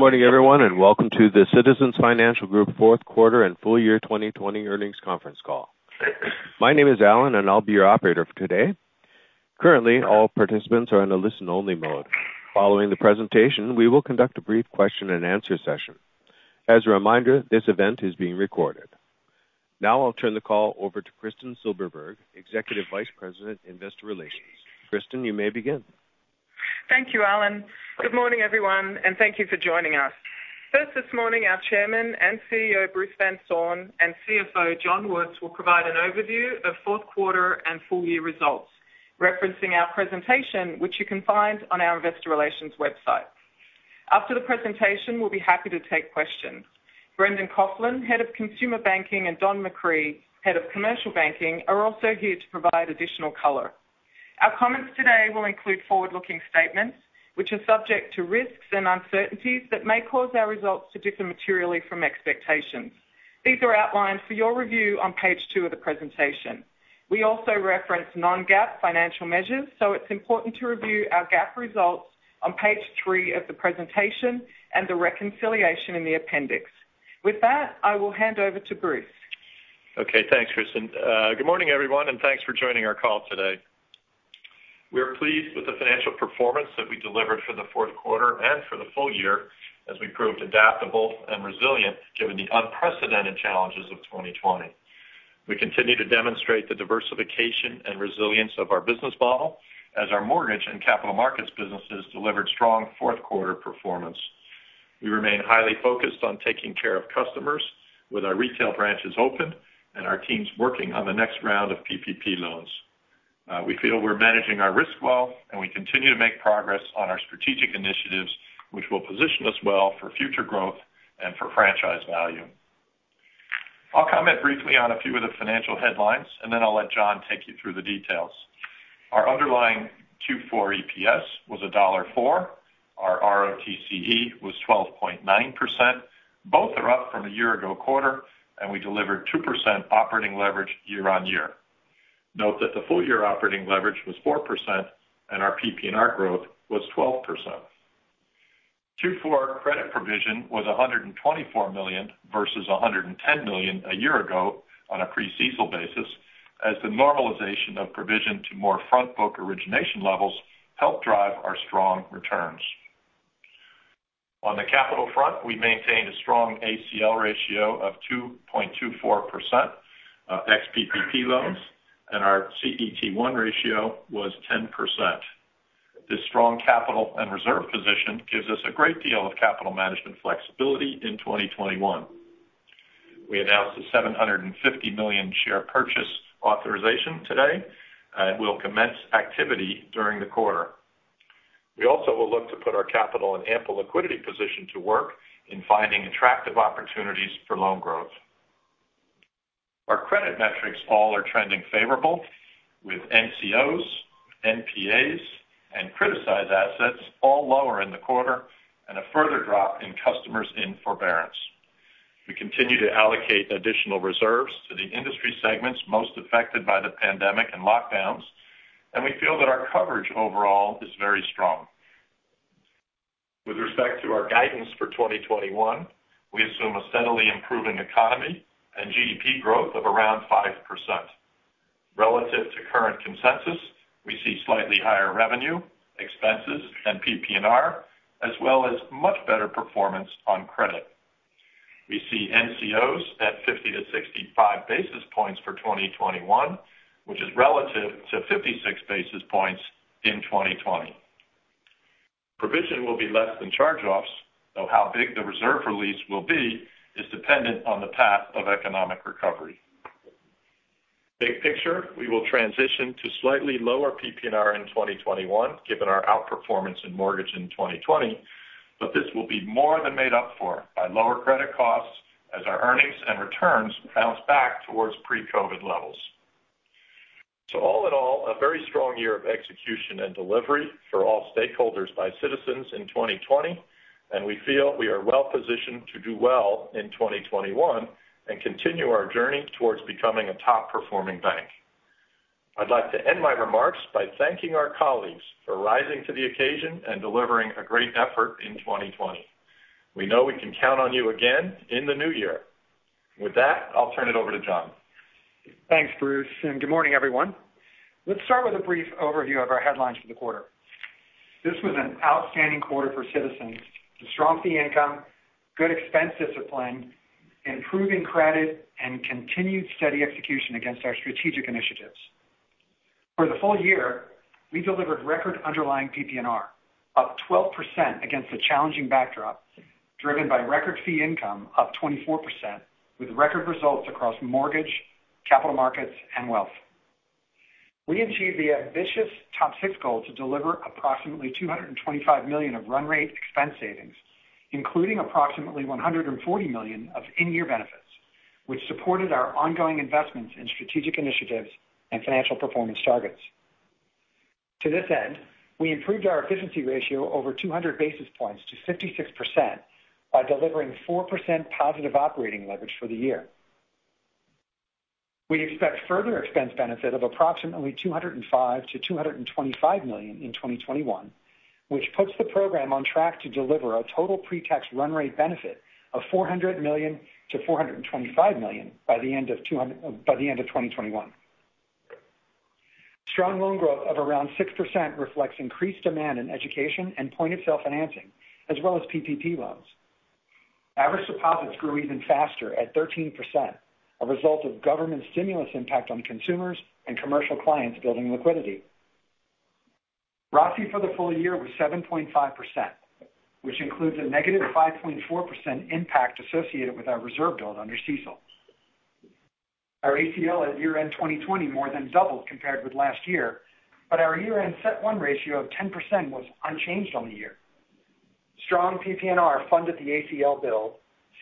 Good morning, everyone, and welcome to the Citizens Financial Group fourth quarter and full year 2020 earnings conference call. My name is Alan and I'll be your operator for today. Currently, all participants are in a listen-only mode. Following the presentation, we will conduct a brief question and answer session. As a reminder, this event is being recorded. Now I'll turn the call over to Kristin Silberberg, Executive Vice President, Investor Relations. Kristin, you may begin. Thank you, Alan. Good morning, everyone, thank you for joining us. First this morning, our Chairman and CEO, Bruce Van Saun, and CFO, John Woods, will provide an overview of fourth quarter and full year results, referencing our presentation, which you can find on our investor relations website. After the presentation, we'll be happy to take questions. Brendan Coughlin, Head of Consumer Banking, and Don McCree, Head of Commercial Banking, are also here to provide additional color. Our comments today will include forward-looking statements, which are subject to risks and uncertainties that may cause our results to differ materially from expectations. These are outlined for your review on page two of the presentation. We also reference non-GAAP financial measures, it's important to review our GAAP results on page three of the presentation and the reconciliation in the appendix. With that, I will hand over to Bruce. Okay. Thanks, Kristin. Good morning, everyone, and thanks for joining our call today. We are pleased with the financial performance that we delivered for the fourth quarter and for the full year as we proved adaptable and resilient given the unprecedented challenges of 2020. We continue to demonstrate the diversification and resilience of our business model as our mortgage and capital markets businesses delivered strong fourth quarter performance. We remain highly focused on taking care of customers with our retail branches open and our teams working on the next round of PPP loans. We feel we're managing our risk well and we continue to make progress on our strategic initiatives, which will position us well for future growth and for franchise value. I'll comment briefly on a few of the financial headlines, and then I'll let John take you through the details. Our underlying Q4 EPS was $1.04. Our ROTCE was 12.9%. Both are up from a year-ago quarter. We delivered 2% operating leverage year-on-year. Note that the full year operating leverage was 4%. Our PPNR growth was 12%. Q4 credit provision was $124 million versus $110 million a year ago on a pre-CECL basis as the normalization of provision to more front book origination levels helped drive our strong returns. On the capital front, we maintained a strong ACL ratio of 2.24% ex-PPP loans. Our CET1 ratio was 10%. This strong capital and reserve position gives us a great deal of capital management flexibility in 2021. We announced a 750 million share purchase authorization today. We'll commence activity during the quarter. We also will look to put our capital and ample liquidity position to work in finding attractive opportunities for loan growth. Our credit metrics all are trending favorable with NCOs, NPAs, and criticized assets all lower in the quarter and a further drop in customers in forbearance. We continue to allocate additional reserves to the industry segments most affected by the pandemic and lockdowns, and we feel that our coverage overall is very strong. With respect to our guidance for 2021, we assume a steadily improving economy and GDP growth of around 5%. Relative to current consensus, we see slightly higher revenue, expenses, and PPNR as well as much better performance on credit. We see NCOs at 50-65 basis points for 2021, which is relative to 56 basis points in 2020. Provision will be less than charge-offs, though how big the reserve release will be is dependent on the path of economic recovery. Big picture, we will transition to slightly lower PPNR in 2021 given our outperformance in mortgage in 2020, but this will be more than made up for by lower credit costs as our earnings and returns bounce back towards pre-COVID levels. All in all, a very strong year of execution and delivery for all stakeholders by Citizens in 2020, and we feel we are well-positioned to do well in 2021 and continue our journey towards becoming a top-performing bank. I'd like to end my remarks by thanking our colleagues for rising to the occasion and delivering a great effort in 2020. We know we can count on you again in the new year. With that, I'll turn it over to John. Thanks, Bruce. Good morning, everyone. Let's start with a brief overview of our headlines for the quarter. This was an outstanding quarter for Citizens with strong fee income, good expense discipline, improving credit, and continued steady execution against our strategic initiatives. For the full year, we delivered record underlying PPNR, up 12% against a challenging backdrop driven by record fee income up 24% with record results across mortgage, capital markets, and wealth. We achieved the ambitious TOP 6 goal to deliver approximately $225 million of run rate expense savings, including approximately $140 million of in-year benefits, which supported our ongoing investments in strategic initiatives and financial performance targets. To this end, we improved our efficiency ratio over 200 basis points to 56% by delivering 4% positive operating leverage for the year. We expect further expense benefit of approximately $205 million-$225 million in 2021, which puts the program on track to deliver a total pre-tax run rate benefit of $400 million-$425 million by the end of 2021. Strong loan growth of around 6% reflects increased demand in education and point-of-sale financing, as well as PPP loans. Average deposits grew even faster at 13%, a result of government stimulus impact on consumers and commercial clients building liquidity. ROTCE for the full year was 7.5%, which includes a -5.4% impact associated with our reserve build under CECL. Our ACL at year-end 2020 more than doubled compared with last year, but our year-end CET1 ratio of 10% was unchanged on the year. Strong PPNR funded the ACL build,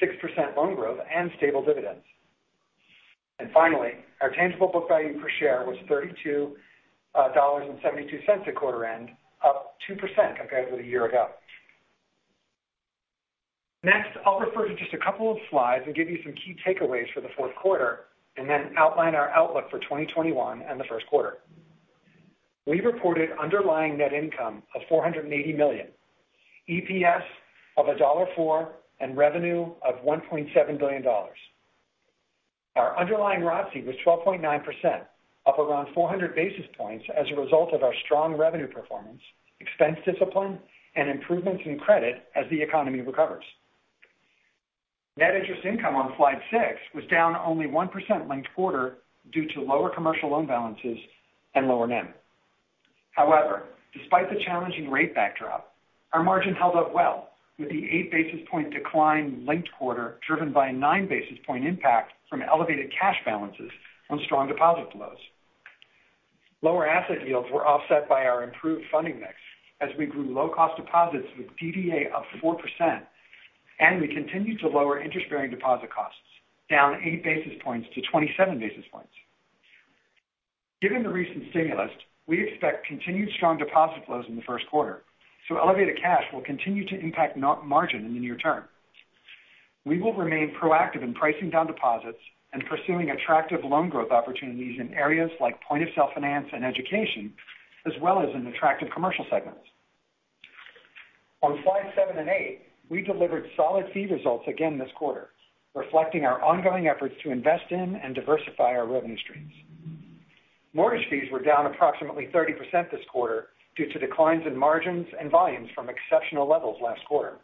6% loan growth, and stable dividends. Finally, our tangible book value per share was $32.72 a quarter end, up 2% compared with a year ago. Next, I'll refer to just a couple of slides and give you some key takeaways for the fourth quarter and then outline our outlook for 2021 and the first quarter. We reported underlying net income of $480 million, EPS of $1.04, and revenue of $1.7 billion. Our underlying ROTCE was 12.9%, up around 400 basis points as a result of our strong revenue performance, expense discipline, and improvements in credit as the economy recovers. Net interest income on slide six was down only 1% linked quarter due to lower commercial loan balances and lower NIM. However, despite the challenging rate backdrop, our margin held up well, with the 8 basis point decline linked quarter driven by a 9 basis point impact from elevated cash balances on strong deposit flows. Lower asset yields were offset by our improved funding mix as we grew low-cost deposits with DDA up 4%, and we continued to lower interest-bearing deposit costs, down 9 basis points to 27 basis points. Given the recent stimulus, we expect continued strong deposit flows in the first quarter, so elevated cash will continue to impact net margin in the near term. We will remain proactive in pricing down deposits and pursuing attractive loan growth opportunities in areas like point-of-sale finance and education, as well as in attractive commercial segments. On slide seven and eight, we delivered solid fee results again this quarter, reflecting our ongoing efforts to invest in and diversify our revenue streams. Mortgage fees were down approximately 30% this quarter due to declines in margins and volumes from exceptional levels last quarter.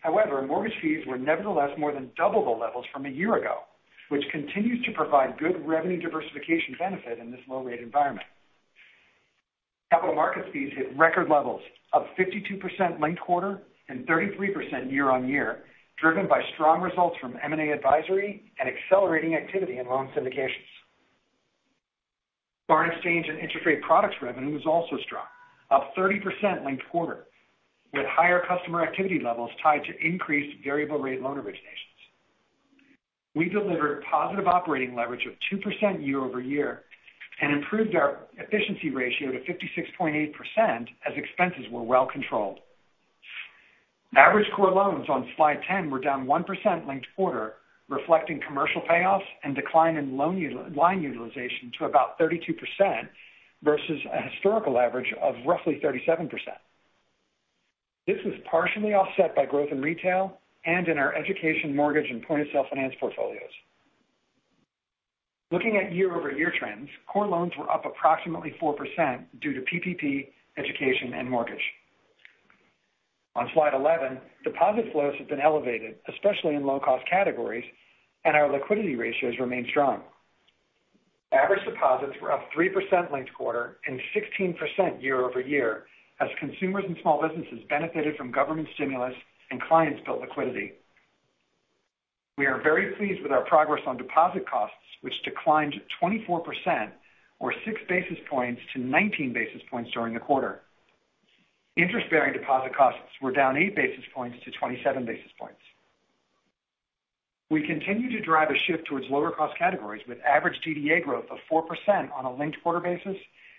However, mortgage fees were nevertheless more than double the levels from a year ago, which continues to provide good revenue diversification benefit in this low-rate environment. Capital markets fees hit record levels, up 52% linked quarter and 33% year-on-year, driven by strong results from M&A advisory and accelerating activity in loan syndications. Foreign exchange and interest rate products revenue was also strong, up 30% linked quarter, with higher customer activity levels tied to increased variable rate loan originations. We delivered positive operating leverage of 2% year-over-year and improved our efficiency ratio to 56.8% as expenses were well controlled. Average core loans on slide 10 were down 1% linked quarter, reflecting commercial payoffs and decline in loan line utilization to about 32% versus a historical average of roughly 37%. This was partially offset by growth in retail and in our education mortgage and point-of-sale finance portfolios. Looking at year-over-year trends, core loans were up approximately 4% due to PPP, education, and mortgage. On slide 11, deposit flows have been elevated, especially in low-cost categories, and our liquidity ratios remain strong. Average deposits were up 3% linked quarter and 16% year-over-year, as consumers and small businesses benefited from government stimulus and clients built liquidity. We are very pleased with our progress on deposit costs, which declined 24% or 6 basis points to 19 basis points during the quarter. Interest-bearing deposit costs were down 8 basis points to 27 basis points. We continue to drive a shift towards lower cost categories with average DDA growth of 4% on a linked-quarter basis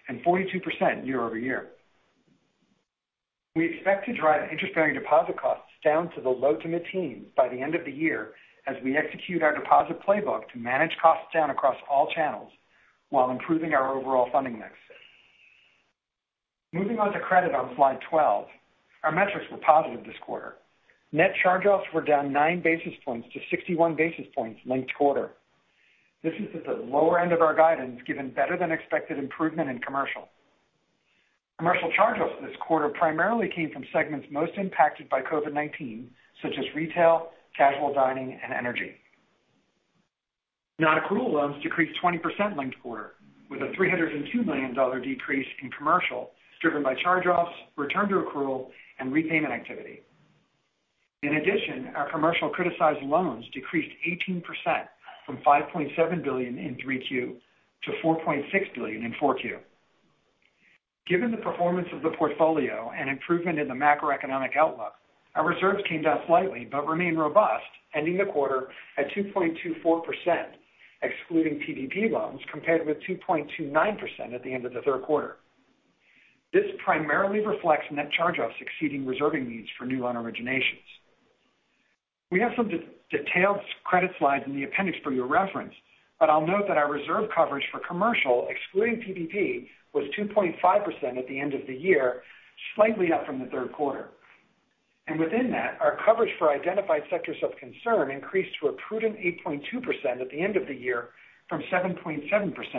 and 42% year-over-year. We expect to drive interest-bearing deposit costs down to the low to mid-teens by the end of the year as we execute our deposit playbook to manage costs down across all channels while improving our overall funding mix. Moving on to credit on slide 12. Our metrics were positive this quarter. Net charge-offs were down 9 basis points to 61 basis points linked quarter. This is at the lower end of our guidance, given better than expected improvement in commercial. Commercial charge-offs this quarter primarily came from segments most impacted by COVID-19, such as retail, casual dining, and energy. Non-accrual loans decreased 20% linked-quarter, with a $302 million decrease in commercial, driven by charge-offs, return to accrual, and repayment activity. In addition, our commercial criticized loans decreased 18%, from $5.7 billion in 3Q to $4.6 billion in 4Q. Given the performance of the portfolio and improvement in the macroeconomic outlook, our reserves came down slightly but remain robust, ending the quarter at 2.24%, excluding PPP loans, compared with 2.29% at the end of the third quarter. This primarily reflects net charge-offs exceeding reserving needs for new loan originations. We have some detailed credit slides in the appendix for your reference. I'll note that our reserve coverage for commercial, excluding PPP, was 2.5% at the end of the year, slightly up from the third quarter. Within that, our coverage for identified sectors of concern increased to a prudent 8.2% at the end of the year from 7.7%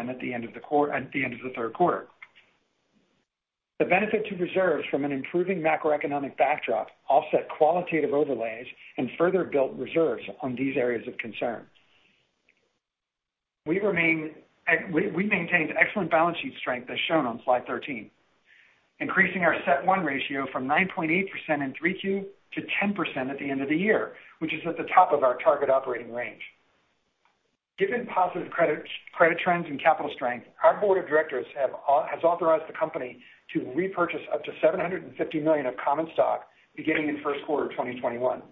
at the end of the third quarter. The benefit to reserves from an improving macroeconomic backdrop offset qualitative overlays and further built reserves on these areas of concern. We maintained excellent balance sheet strength as shown on slide 13, increasing our CET1 ratio from 9.8% in 3Q to 10% at the end of the year, which is at the top of our target operating range. Given positive credit trends and capital strength, our board of directors has authorized the company to repurchase up to $750 million of common stock beginning in first quarter 2021.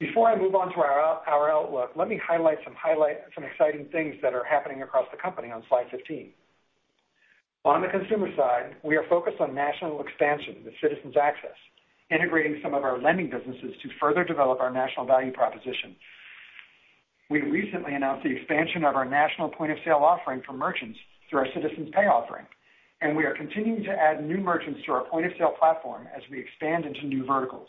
Before I move on to our outlook, let me highlight some exciting things that are happening across the company on slide 15. On the consumer side, we are focused on national expansion with Citizens Access, integrating some of our lending businesses to further develop our national value proposition. We recently announced the expansion of our national point-of-sale offering for merchants through our Citizens Pay offering, and we are continuing to add new merchants to our point-of-sale platform as we expand into new verticals.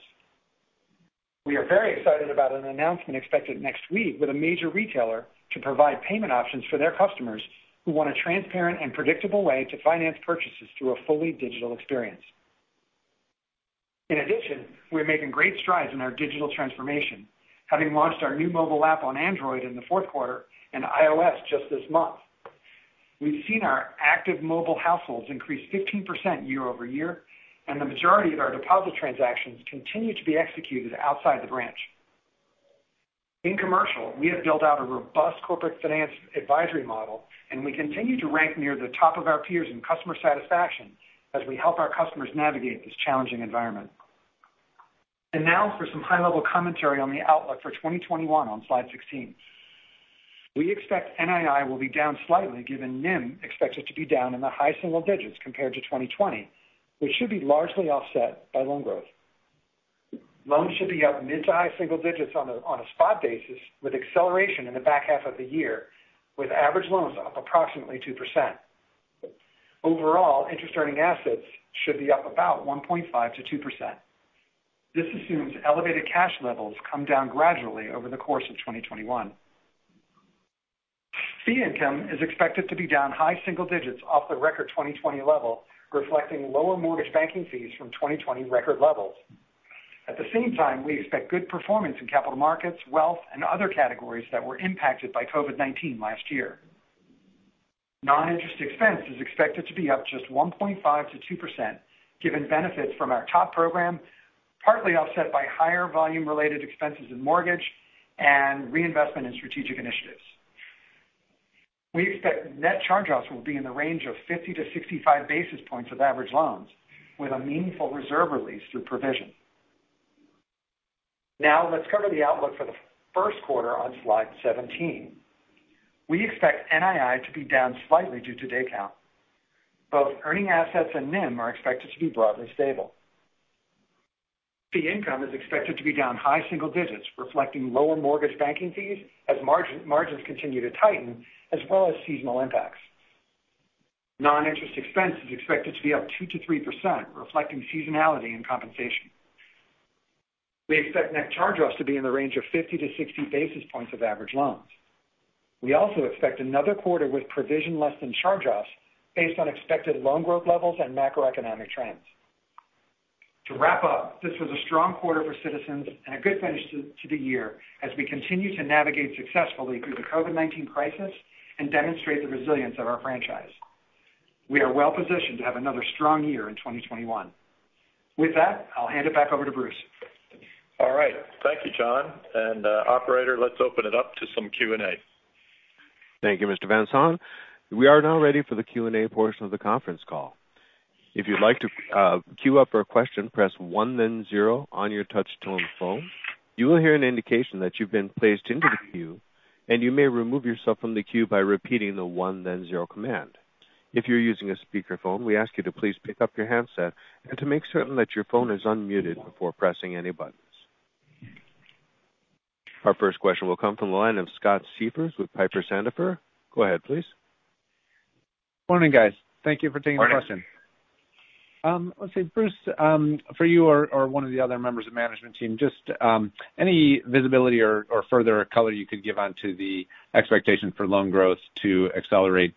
We are very excited about an announcement expected next week with a major retailer to provide payment options for their customers who want a transparent and predictable way to finance purchases through a fully digital experience. In addition, we're making great strides in our digital transformation, having launched our new mobile app on Android in the fourth quarter and iOS just this month. We've seen our active mobile households increase 15% year-over-year, and the majority of our deposit transactions continue to be executed outside the branch. In commercial, we have built out a robust corporate finance advisory model. We continue to rank near the top of our peers in customer satisfaction as we help our customers navigate this challenging environment. Now for some high-level commentary on the outlook for 2021 on slide 16. We expect NII will be down slightly given NIM expected to be down in the high single digits compared to 2020, which should be largely offset by loan growth. Loans should be up mid to high single digits on a spot basis, with acceleration in the back half of the year, with average loans up approximately 2%. Overall, interest-earning assets should be up about 1.5%-2%. This assumes elevated cash levels come down gradually over the course of 2021. Fee income is expected to be down high single digits off the record 2020 level, reflecting lower mortgage banking fees from 2020 record levels. At the same time, we expect good performance in capital markets, wealth, and other categories that were impacted by COVID-19 last year. Non-interest expense is expected to be up just 1.5%-2% given benefits from our TOP program, partly offset by higher volume-related expenses in mortgage and reinvestment in strategic initiatives. We expect net charge-offs will be in the range of 50-65 basis points of average loans, with a meaningful reserve release through provision. Now let's cover the outlook for the first quarter on slide 17. We expect NII to be down slightly due to day count. Both earning assets and NIM are expected to be broadly stable. Fee income is expected to be down high single digits, reflecting lower mortgage banking fees as margins continue to tighten, as well as seasonal impacts. Non-interest expense is expected to be up 2%-3%, reflecting seasonality and compensation. We expect net charge-offs to be in the range of 50-60 basis points of average loans. We also expect another quarter with provision less than charge-offs based on expected loan growth levels and macroeconomic trends. To wrap up, this was a strong quarter for Citizens and a good finish to the year as we continue to navigate successfully through the COVID-19 crisis and demonstrate the resilience of our franchise. We are well-positioned to have another strong year in 2021. With that, I'll hand it back over to Bruce. All right. Thank you, John. Operator, let's open it up to some Q&A. Thank you, Mr. Van Saun. We are now ready for the Q&A portion of the conference call. If you'd like to queue up for a question, press one then zero on your touch-tone phone. You will hear an indication that you've been placed into the queue, and you may remove yourself from the queue by repeating the one then zero command. If you're using a speakerphone, we ask you to please pick up your handset and to make certain that your phone is unmuted before pressing any buttons. Our first question will come from the line of Scott Siefers with Piper Sandler. Go ahead, please. Morning, guys. Thank you for taking my question. Morning. Let's see, Bruce, for you or one of the other members of management team, just any visibility or further color you could give onto the expectation for loan growth to accelerate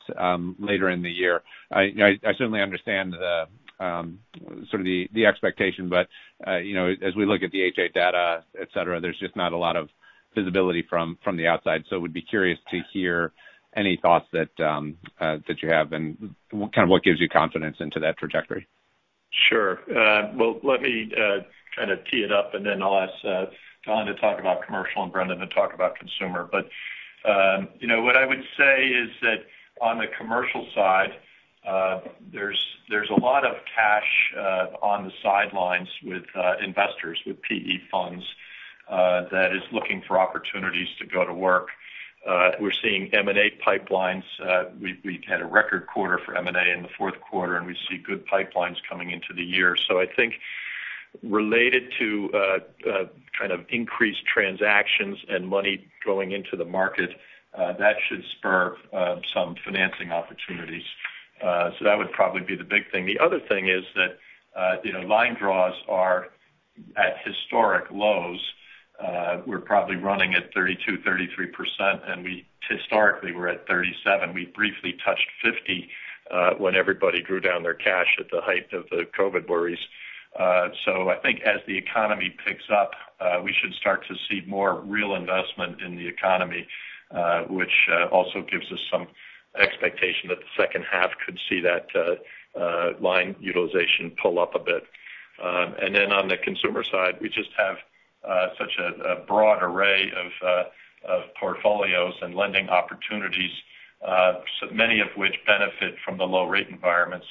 later in the year? I certainly understand the expectation. As we look at the [H.8] data, et cetera, there's just not a lot of visibility from the outside. Would be curious to hear any thoughts that you have and what gives you confidence into that trajectory. Sure. Let me kind of tee it up, and then I'll ask John to talk about commercial and Brendan to talk about consumer. What I would say is that on the commercial side, there's a lot of cash on the sidelines with investors, with PE funds that is looking for opportunities to go to work. We're seeing M&A pipelines. We've had a record quarter for M&A in the fourth quarter, and we see good pipelines coming into the year. I think related to kind of increased transactions and money going into the market, that should spur some financing opportunities. That would probably be the big thing. The other thing is that line draws are at historic lows. We're probably running at 32%-33%, and we historically were at 37%. We briefly touched 50% when everybody drew down their cash at the height of the COVID worries. I think as the economy picks up, we should start to see more real investment in the economy, which also gives us some expectation that the second half could see that line utilization pull up a bit. On the consumer side, we just have such a broad array of portfolios and lending opportunities, many of which benefit from the low-rate environment.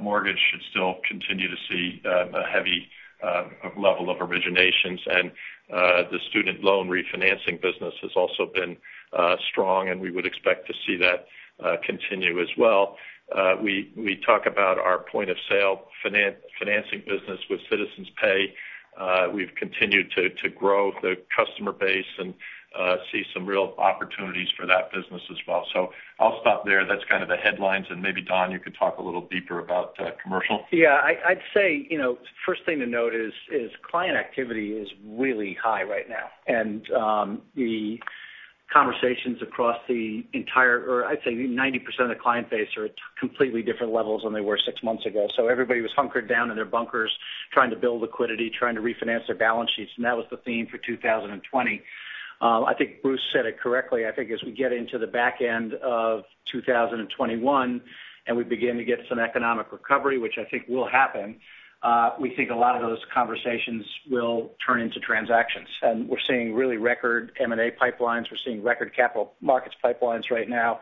Mortgage should still continue to see a heavy level of originations. The student loan refinancing business has also been strong, and we would expect to see that continue as well. We talk about our point-of-sale financing business with Citizens Pay. We've continued to grow the customer base and see some real opportunities for that business as well. I'll stop there. That's kind of the headlines. Maybe, Don, you could talk a little deeper about commercial. Yeah. I'd say, first thing to note is client activity is really high right now. The conversations across 90% of the client base are at completely different levels than they were six months ago. Everybody was hunkered down in their bunkers trying to build liquidity, trying to refinance their balance sheets, and that was the theme for 2020. I think Bruce said it correctly. I think as we get into the back end of 2021, and we begin to get some economic recovery, which I think will happen, we think a lot of those conversations will turn into transactions. We're seeing really record M&A pipelines. We're seeing record capital markets pipelines right now.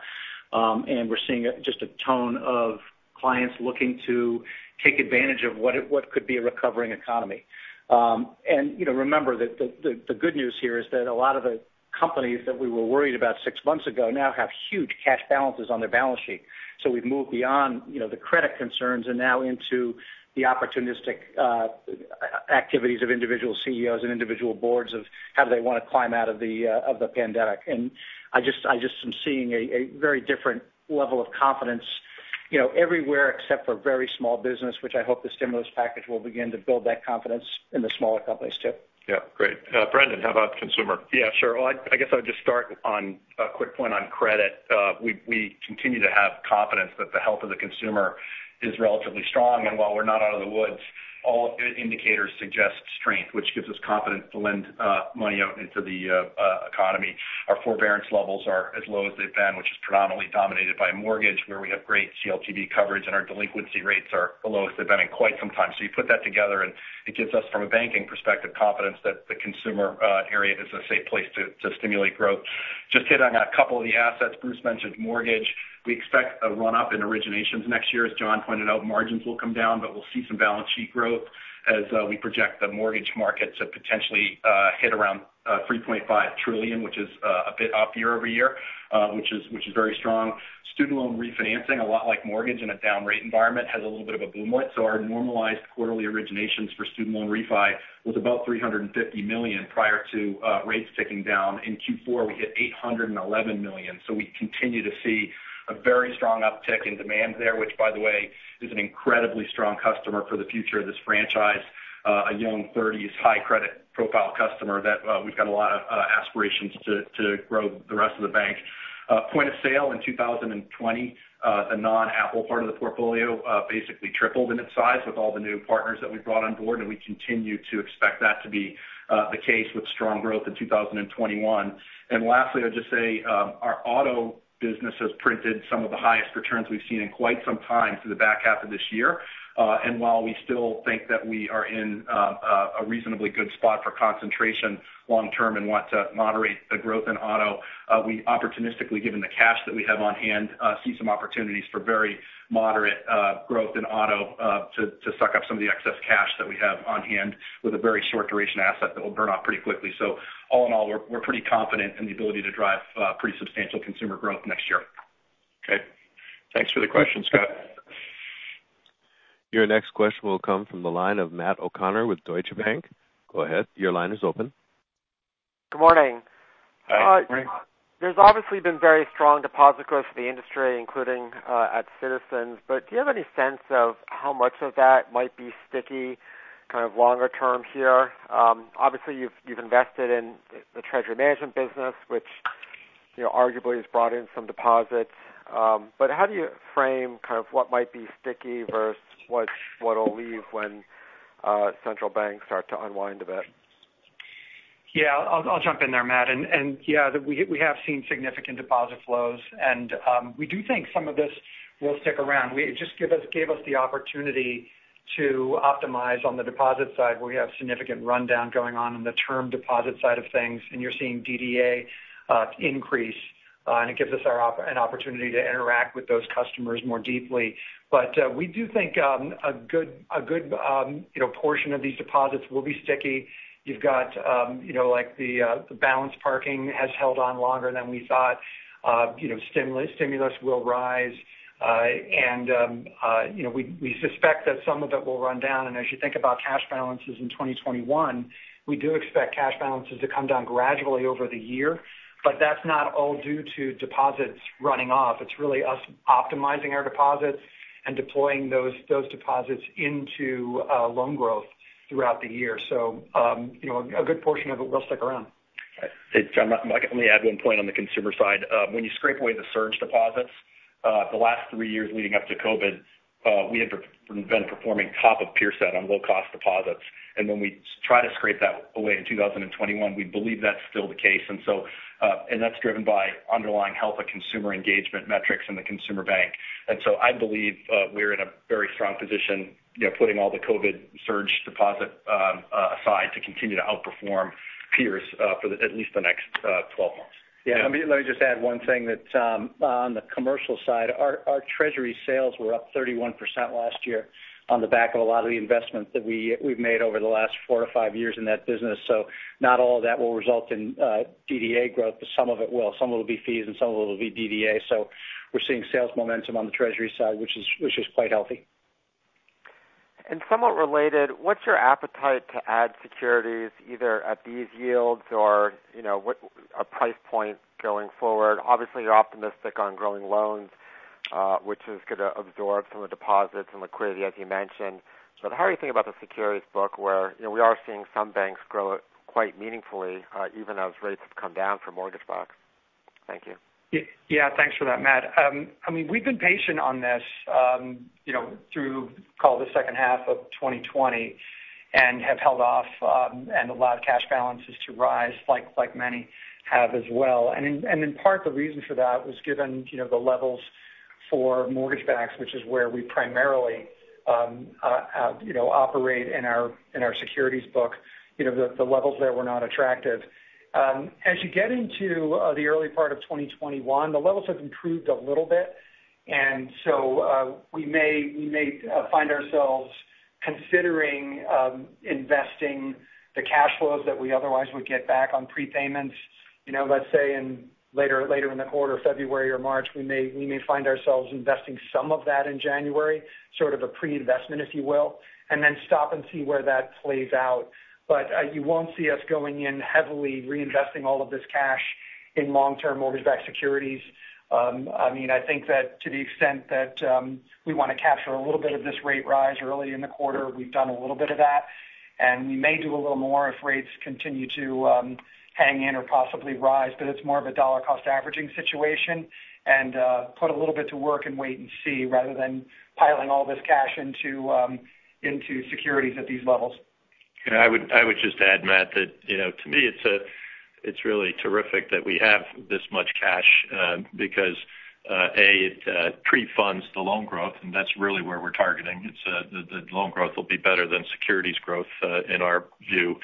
We're seeing just a ton of clients looking to take advantage of what could be a recovering economy. Remember that the good news here is that a lot of the companies that we were worried about six months ago now have huge cash balances on their balance sheet. We've moved beyond the credit concerns and now into the opportunistic activities of individual CEOs and individual boards of how they want to climb out of the pandemic. I just am seeing a very different level of confidence everywhere except for very small business, which I hope the stimulus package will begin to build that confidence in the smaller companies too. Yeah. Great. Brendan, how about consumer? Yeah, sure. Well, I guess I would just start on a quick point on credit. We continue to have confidence that the health of the consumer is relatively strong. While we're not out of the woods, all indicators suggest strength, which gives us confidence to lend money out into the economy. Our forbearance levels are as low as they've been, which is predominantly dominated by mortgage, where we have great CLTV coverage, and our delinquency rates are the lowest they've been in quite some time. You put that together, and it gives us, from a banking perspective, confidence that the consumer area is a safe place to stimulate growth. Just hit on a couple of the assets Bruce mentioned. Mortgage, we expect a run-up in originations next year. As John pointed out, margins will come down, we'll see some balance sheet growth as we project the mortgage market to potentially hit around $3.5 trillion, which is a bit up year-over-year which is very strong. Student loan refinancing, a lot like mortgage in a down rate environment, has a little bit of a boomlet. Our normalized quarterly originations for student loan refi was about $350 million prior to rates ticking down. In Q4, we hit $811 million. We continue to see a very strong uptick in demand there, which by the way, is an incredibly strong customer for the future of this franchise. A young 30s high credit profile customer that we've got a lot of aspirations to grow the rest of the bank. Point-of-sale in 2020, the non-Apple part of the portfolio basically tripled in its size with all the new partners that we brought on board. We continue to expect that to be the case with strong growth in 2021. Lastly, I'll just say our auto business has printed some of the highest returns we've seen in quite some time through the back half of this year. While we still think that we are in a reasonably good spot for concentration long-term and want to moderate the growth in auto, we opportunistically, given the cash that we have on hand, see some opportunities for very moderate growth in auto to suck up some of the excess cash that we have on hand with a very short-duration asset that will burn off pretty quickly. All in all, we're pretty confident in the ability to drive pretty substantial consumer growth next year. Okay. Thanks for the question, Scott. Your next question will come from the line of Matt O'Connor with Deutsche Bank. Go ahead. Your line is open. Good morning. Hi. Good morning. There's obviously been very strong deposit growth for the industry, including at Citizens. Do you have any sense of how much of that might be sticky kind of longer-term here? Obviously, you've invested in the Treasury management business, which arguably has brought in some deposits. How do you frame kind of what might be sticky versus what'll leave when central banks start to unwind a bit? Yeah. I'll jump in there, Matt. Yeah, we have seen significant deposit flows. We do think some of this will stick around. It just gave us the opportunity to optimize on the deposit side, where we have significant rundown going on in the term deposit side of things, and you're seeing DDA increase. It gives us an opportunity to interact with those customers more deeply. We do think a good portion of these deposits will be sticky. You've got the balance parking has held on longer than we thought. Stimulus will rise. We suspect that some of it will run down. As you think about cash balances in 2021, we do expect cash balances to come down gradually over the year. That's not all due to deposits running off. It's really us optimizing our deposits and deploying those deposits into loan growth throughout the year. A good portion of it will stick around. Hey, John, I can only add one point on the consumer side. When you scrape away the surge deposits the last three years leading up to COVID, we have been performing top of peer set on low-cost deposits. When we try to scrape that away in 2021, we believe that's still the case. That's driven by underlying health of consumer engagement metrics in the consumer bank. I believe we're in a very strong position, putting all the COVID surge deposit aside to continue to outperform peers for at least the next 12 months. Yeah. Let me just add one thing that on the commercial side, our Treasury sales were up 31% last year on the back of a lot of the investments that we've made over the last four to five years in that business. Not all of that will result in DDA growth, but some of it will. Some of it will be fees and some of it will be DDA. We're seeing sales momentum on the Treasury side, which is quite healthy. Somewhat related, what's your appetite to add securities either at these yields or what are price points going forward? Obviously, you're optimistic on growing loans which is going to absorb some of the deposits and liquidity as you mentioned. But how are you thinking about the securities book where we are seeing some banks grow it quite meaningfully even as rates have come down for mortgage book? Thank you. Yeah, thanks for that, Matt. We've been patient on this through, call it the second half of 2020, and have held off and allowed cash balances to rise like many have as well. In part, the reason for that was given the levels for mortgage-backs, which is where we primarily operate in our securities book. The levels there were not attractive. As you get into the early part of 2021, the levels have improved a little bit. We may find ourselves considering investing the cash flows that we otherwise would get back on prepayments. Let's say in later in the quarter, February or March, we may find ourselves investing some of that in January, sort of a pre-investment, if you will, and then stop and see where that plays out. You won't see us going in heavily reinvesting all of this cash in long-term mortgage-backed securities. I think that to the extent that we want to capture a little bit of this rate rise early in the quarter, we've done a little bit of that, and we may do a little more if rates continue to hang in or possibly rise. It's more of a dollar-cost averaging situation and put a little bit to work and wait and see rather than piling all this cash into securities at these levels. I would just add, Matt, that to me it's really terrific that we have this much cash because, A, it pre-funds the loan growth, and that's really where we're targeting. The loan growth will be better than securities growth in our view.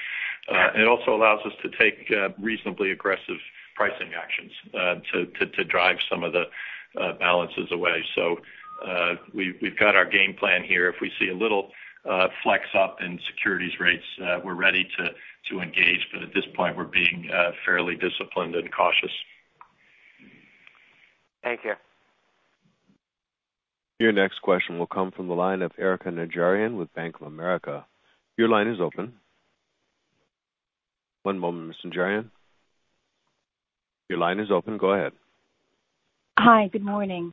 It also allows us to take reasonably aggressive pricing actions to drive some of the balances away. We've got our game plan here. If we see a little flex up in securities rates, we're ready to engage. At this point, we're being fairly disciplined and cautious. Thank you. Your next question will come from the line of Erika Najarian with Bank of America. Your line is open. One moment, Miss Najarian. Your line is open. Go ahead. Hi, good morning.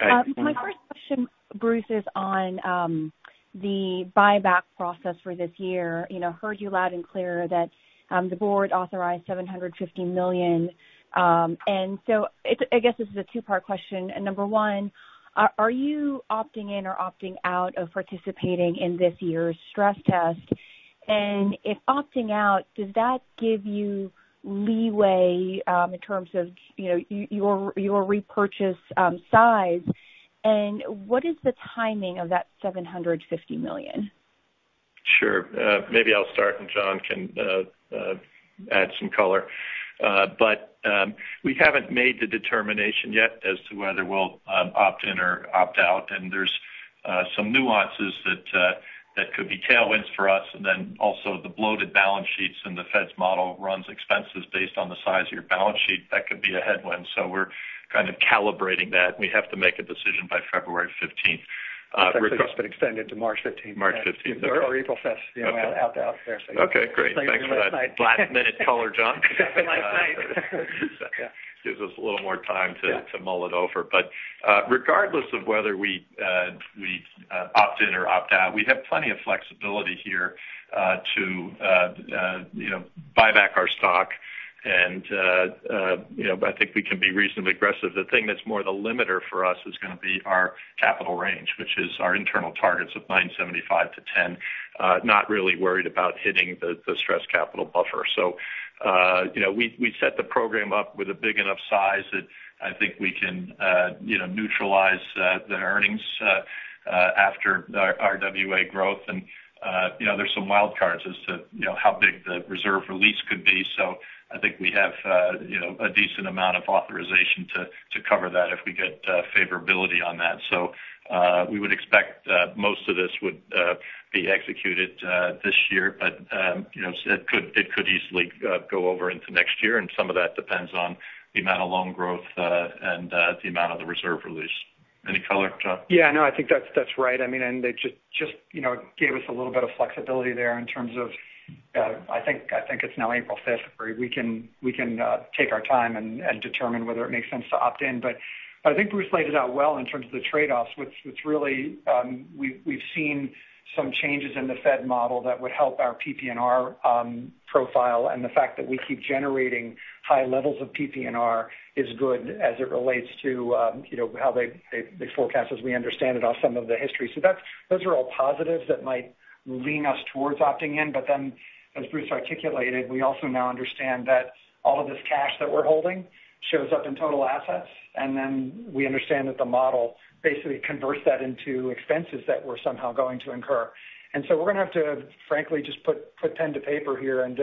Hi. My first question, Bruce, is on the buyback process for this year. Heard you loud and clear that the board authorized $750 million. I guess this is a two-part question. Number one, are you opting in or opting out of participating in this year's stress test? If opting out, does that give you leeway in terms of your repurchase size, and what is the timing of that $750 million? Sure. Maybe I'll start and John can add some color. We haven't made the determination yet as to whether we'll opt in or opt out. There's some nuances that could be tailwinds for us, and then also the bloated balance sheets and the Fed's model runs expenses based on the size of your balance sheet. That could be a headwind. We're kind of calibrating that. We have to make a decision by February 15th. It's actually just been extended to March 15th. March 15th. April 15th. Out there. Okay, great. Thanks for that last-minute color, John. Last night. Gives us a little more time to mull it over. Regardless of whether we opt in or opt out, we have plenty of flexibility here to buy back our stock. I think we can be reasonably aggressive. The thing that's more the limiter for us is going to be our capital range, which is our internal targets of 9.75%-10%. Not really worried about hitting the Stress Capital Buffer. We set the program up with a big enough size that I think we can neutralize the earnings after our RWA growth. There's some wild cards as to how big the reserve release could be. I think we have a decent amount of authorization to cover that if we get favorability on that. We would expect that most of this would be executed this year. It could easily go over into next year, and some of that depends on the amount of loan growth and the amount of the reserve release. Any color, John? Yeah, no, I think that's right. They just gave us a little bit of flexibility there in terms of, I think it's now April 5th where we can take our time and determine whether it makes sense to opt in. I think Bruce laid it out well in terms of the trade-offs, which really, we've seen some changes in the Fed model that would help our PPNR profile, and the fact that we keep generating high levels of PPNR is good as it relates to how they forecast as we understand it off some of the history. Those are all positives that might lean us towards opting in. As Bruce articulated, we also now understand that all of this cash that we're holding shows up in total assets, we understand that the model basically converts that into expenses that we're somehow going to incur. We're going to have to frankly just put pen to paper here and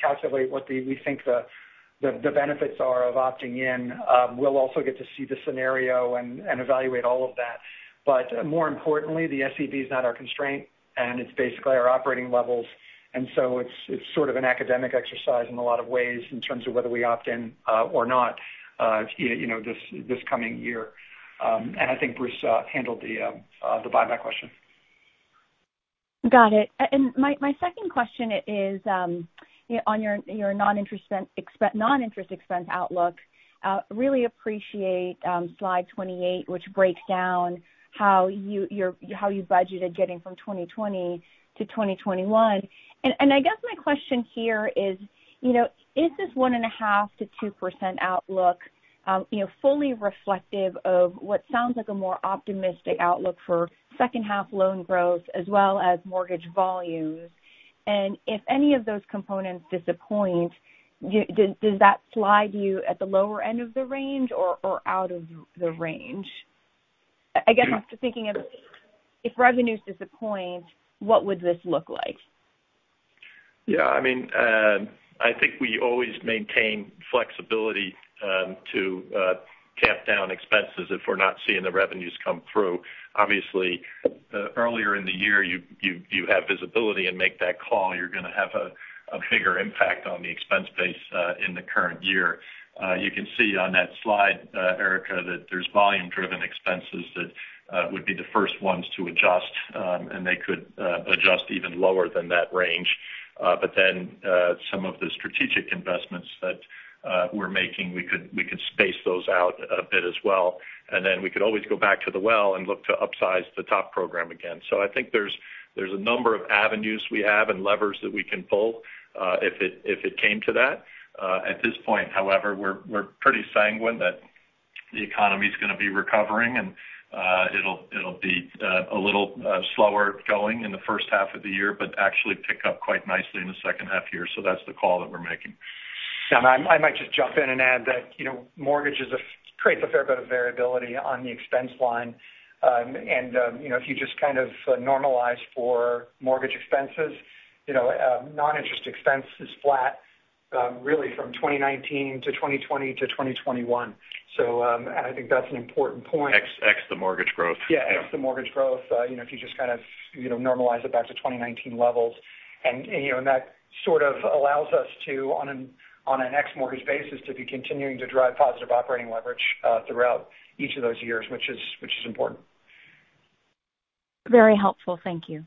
calculate what we think the benefits are of opting in. We'll also get to see the scenario and evaluate all of that. More importantly, the SCB is not our constraint and it's basically our operating levels, so it's sort of an academic exercise in a lot of ways in terms of whether we opt in or not this coming year. I think Bruce handled the buyback question. Got it. My second question is on your non-interest expense outlook. Really appreciate slide 28, which breaks down how you budgeted getting from 2020 to 2021. I guess my question here is this 1.5%-2% outlook fully reflective of what sounds like a more optimistic outlook for second half loan growth as well as mortgage volumes? If any of those components disappoint, does that slide you at the lower end of the range or out of the range? I guess I'm thinking of if revenues disappoint, what would this look like? Yeah. I think we always maintain flexibility to cap down expenses if we're not seeing the revenues come through. Obviously, earlier in the year, you have visibility and make that call, you're going to have a bigger impact on the expense base in the current year. You can see on that slide, Erika, that there's volume-driven expenses that would be the first ones to adjust. They could adjust even lower than that range. Some of the strategic investments that we're making, we could space those out a bit as well. We could always go back to the well and look to upsize the TOP program again. I think there's a number of avenues we have and levers that we can pull if it came to that. At this point, however, we're pretty sanguine that the economy's going to be recovering and it'll be a little slower going in the first half of the year, but actually pick up quite nicely in the second half year. That's the call that we're making. I might just jump in and add that mortgage creates a fair bit of variability on the expense line. If you just kind of normalize for mortgage expenses, non-interest expense is flat really from 2019 to 2020 to 2021. I think that's an important point. X the mortgage growth. Yeah, X the mortgage growth, if you just kind of normalize it back to 2019 levels. That sort of allows us to, on an ex-mortgage basis, to be continuing to drive positive operating leverage throughout each of those years, which is important. Very helpful. Thank you.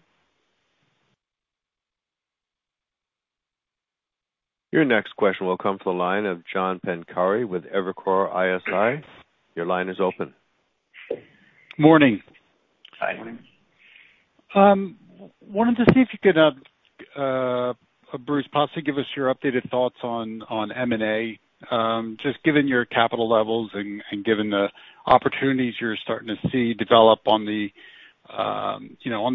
Your next question will come to the line of John Pancari with Evercore ISI. Your line is open. Morning. Hi. Morning. Wanted to see if you could, Bruce, possibly give us your updated thoughts on M&A. Just given your capital levels and given the opportunities you're starting to see develop on the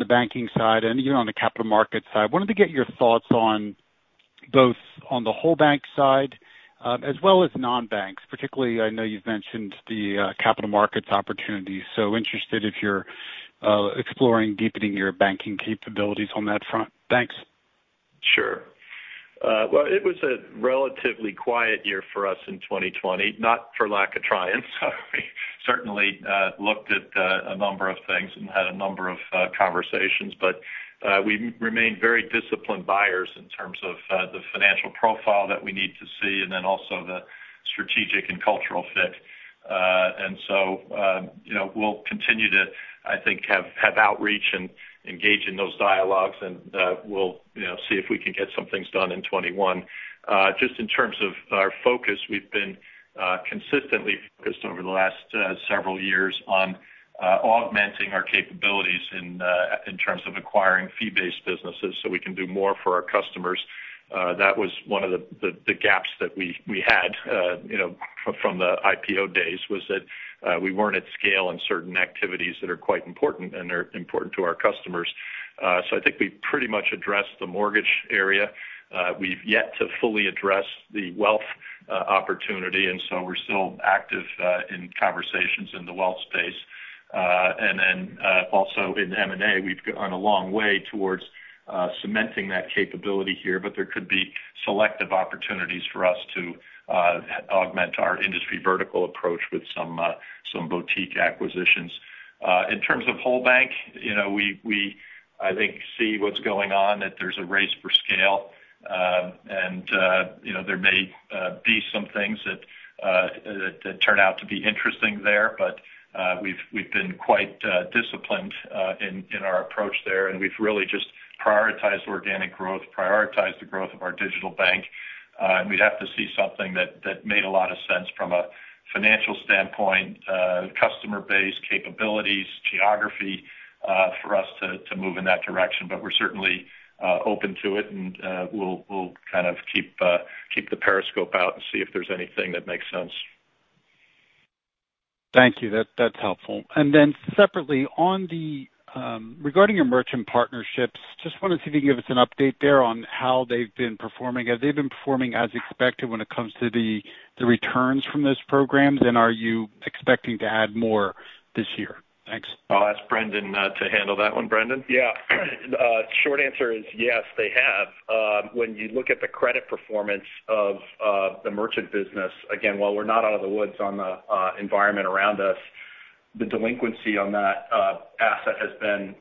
banking side and even on the capital markets side. Wanted to get your thoughts on both on the whole bank side as well as non-banks particularly. I know you've mentioned the capital markets opportunities, so interested if you're exploring deepening your banking capabilities on that front. Thanks. Sure. Well, it was a relatively quiet year for us in 2020. Not for lack of trying. We certainly looked at a number of things and had a number of conversations, but we remained very disciplined buyers in terms of the financial profile that we need to see and then also the strategic and cultural fit. We'll continue to, I think, have outreach and engage in those dialogues and we'll see if we can get some things done in 2021. Just in terms of our focus, we've been consistently focused over the last several years on augmenting our capabilities in terms of acquiring fee-based businesses so we can do more for our customers. That was one of the gaps that we had from the IPO days was that we weren't at scale in certain activities that are quite important and are important to our customers. I think we pretty much addressed the mortgage area. We've yet to fully address the wealth opportunity. We're still active in conversations in the wealth space. Also in M&A, we've gone a long way towards cementing that capability here, but there could be selective opportunities for us to augment our industry vertical approach with some boutique acquisitions. In terms of whole bank, we, I think, see what's going on, that there's a race for scale. There may be some things that turn out to be interesting there, but we've been quite disciplined in our approach there, and we've really just prioritized organic growth, prioritized the growth of our digital bank. We'd have to see something that made a lot of sense from a financial standpoint, customer base capabilities, geography for us to move in that direction. We're certainly open to it, and we'll kind of keep the periscope out and see if there's anything that makes sense. Thank you. That's helpful. Separately, regarding your merchant partnerships, just wanted to see if you could give us an update there on how they've been performing. Have they been performing as expected when it comes to the returns from those programs? Are you expecting to add more this year? Thanks. I'll ask Brendan to handle that one. Brendan? Yeah. Short answer is yes, they have. When you look at the credit performance of the merchant business, again, while we're not out of the woods on the environment around us, the delinquency on that asset has been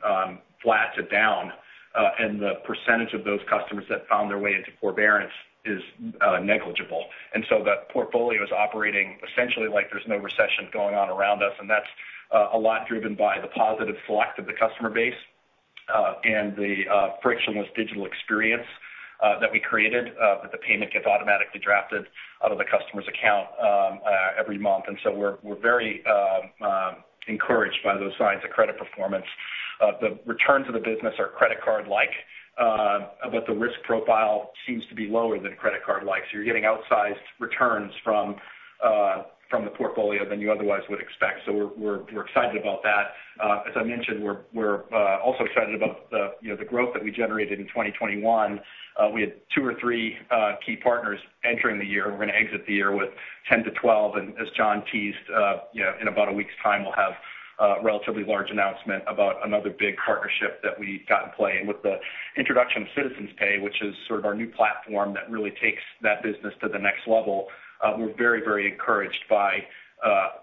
flat to down. The percentage of those customers that found their way into forbearance is negligible. That portfolio is operating essentially like there's no recession going on around us, and that's a lot driven by the positive select of the customer base, and the frictionless digital experience that we created that the payment gets automatically drafted out of the customer's account every month. We're very encouraged by those signs of credit performance. The returns of the business are credit card-like. The risk profile seems to be lower than credit card-like. You're getting outsized returns from the portfolio than you otherwise would expect. We're excited about that. As I mentioned, we're also excited about the growth that we generated in 2021. We had two or three key partners entering the year. We're going to exit the year with 10-12. As John teased, in about a week's time, we'll have a relatively large announcement about another big partnership that we've got in play. With the introduction of Citizens Pay, which is sort of our new platform that really takes that business to the next level, we're very encouraged by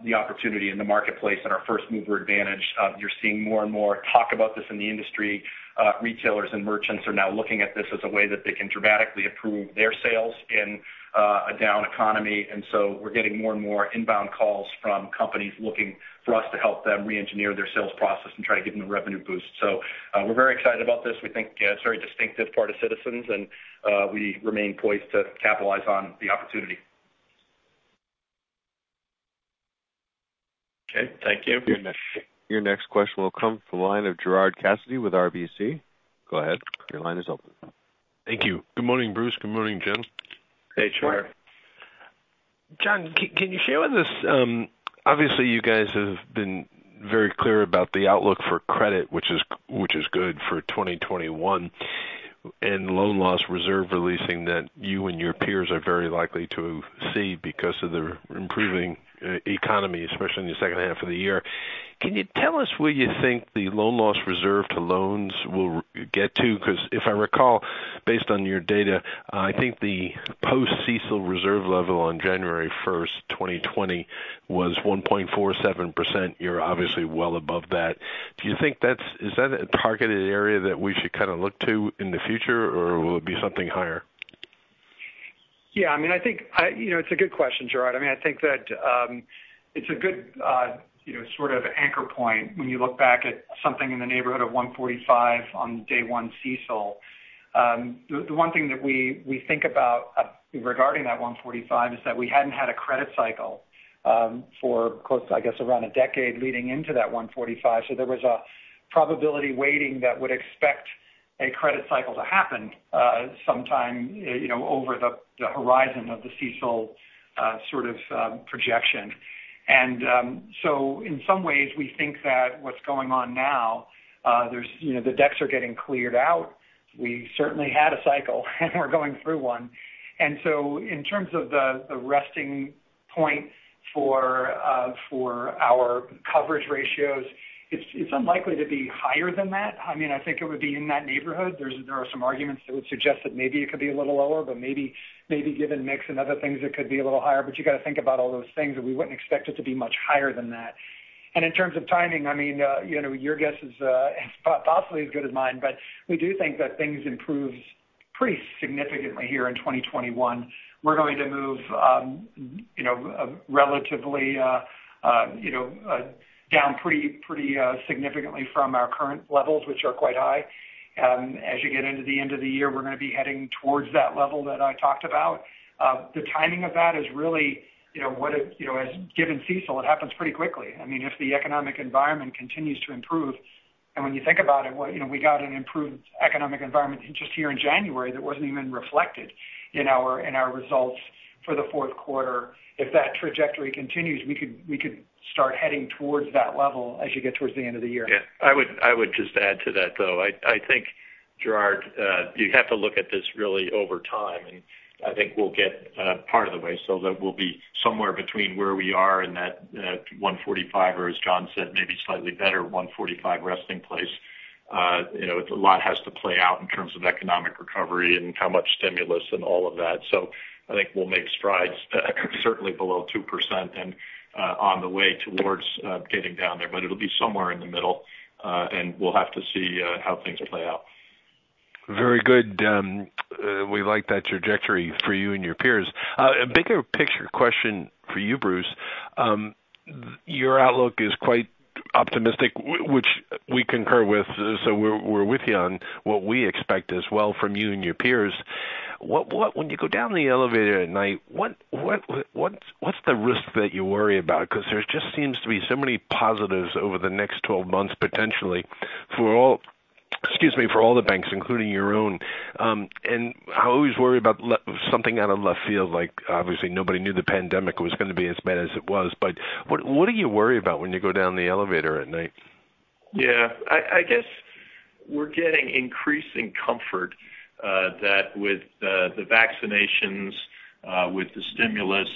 the opportunity in the marketplace and our first-mover advantage. You're seeing more and more talk about this in the industry. Retailers and merchants are now looking at this as a way that they can dramatically improve their sales in a down economy. We're getting more and more inbound calls from companies looking for us to help them re-engineer their sales process and try to give them a revenue boost. We're very excited about this. We think it's a very distinctive part of Citizens, and we remain poised to capitalize on the opportunity. Okay. Thank you. Your next question will come from the line of Gerard Cassidy with RBC. Go ahead. Your line is open. Thank you. Good morning, Bruce. Good morning, John. Hey, Gerard. John, can you share with us? Obviously, you guys have been very clear about the outlook for credit, which is good for 2021, and loan loss reserve releasing that you and your peers are very likely to see because of the improving economy, especially in the second half of the year. Can you tell us where you think the loan loss reserve to loans will get to? If I recall, based on your data, I think the post-CECL reserve level on January 1st, 2020 was 1.47%. You're obviously well above that. Is that a targeted area that we should kind of look to in the future, or will it be something higher? Yeah. It's a good question, Gerard. I think that it's a good sort of anchor point when you look back at something in the neighborhood of 1.45% on day one CECL. The one thing that we think about regarding that 1.45% is that we hadn't had a credit cycle for close to, I guess, around a decade leading into that 1.45%. There was a probability weighting that would expect a credit cycle to happen sometime over the horizon of the CECL sort of projection. In some ways, we think that what's going on now, the decks are getting cleared out. We certainly had a cycle, and we're going through one. In terms of the resting point for our coverage ratios, it's unlikely to be higher than that. I think it would be in that neighborhood. There are some arguments that would suggest that maybe it could be a little lower, but maybe given mix and other things, it could be a little higher. You got to think about all those things, and we wouldn't expect it to be much higher than that. In terms of timing, your guess is possibly as good as mine, but we do think that things improve pretty significantly here in 2021. We're going to move relatively down pretty significantly from our current levels, which are quite high. As you get into the end of the year, we're going to be heading towards that level that I talked about. The timing of that is really, given CECL, it happens pretty quickly. If the economic environment continues to improve, when you think about it, we got an improved economic environment just here in January that wasn't even reflected in our results for the fourth quarter. If that trajectory continues, we could start heading towards that level as you get towards the end of the year. Yeah. I would just add to that, though. I think, Gerard, you have to look at this really over time. I think we'll get part of the way so that we'll be somewhere between where we are in that 1.45% or, as John said, maybe slightly better 1.45% resting place. A lot has to play out in terms of economic recovery and how much stimulus and all of that. I think we'll make strides certainly below 2% and on the way towards getting down there, but it'll be somewhere in the middle, and we'll have to see how things play out. Very good. We like that trajectory for you and your peers. A bigger picture question for you, Bruce. Your outlook is quite optimistic, which we concur with, so we're with you on what we expect as well from you and your peers. When you go down the elevator at night, what's the risk that you worry about? There just seems to be so many positives over the next 12 months, potentially for all the banks, including your own. I always worry about something out of left field like obviously nobody knew the pandemic was going to be as bad as it was. What do you worry about when you go down the elevator at night? Yeah. I guess we're getting increasing comfort that with the vaccinations, with the stimulus,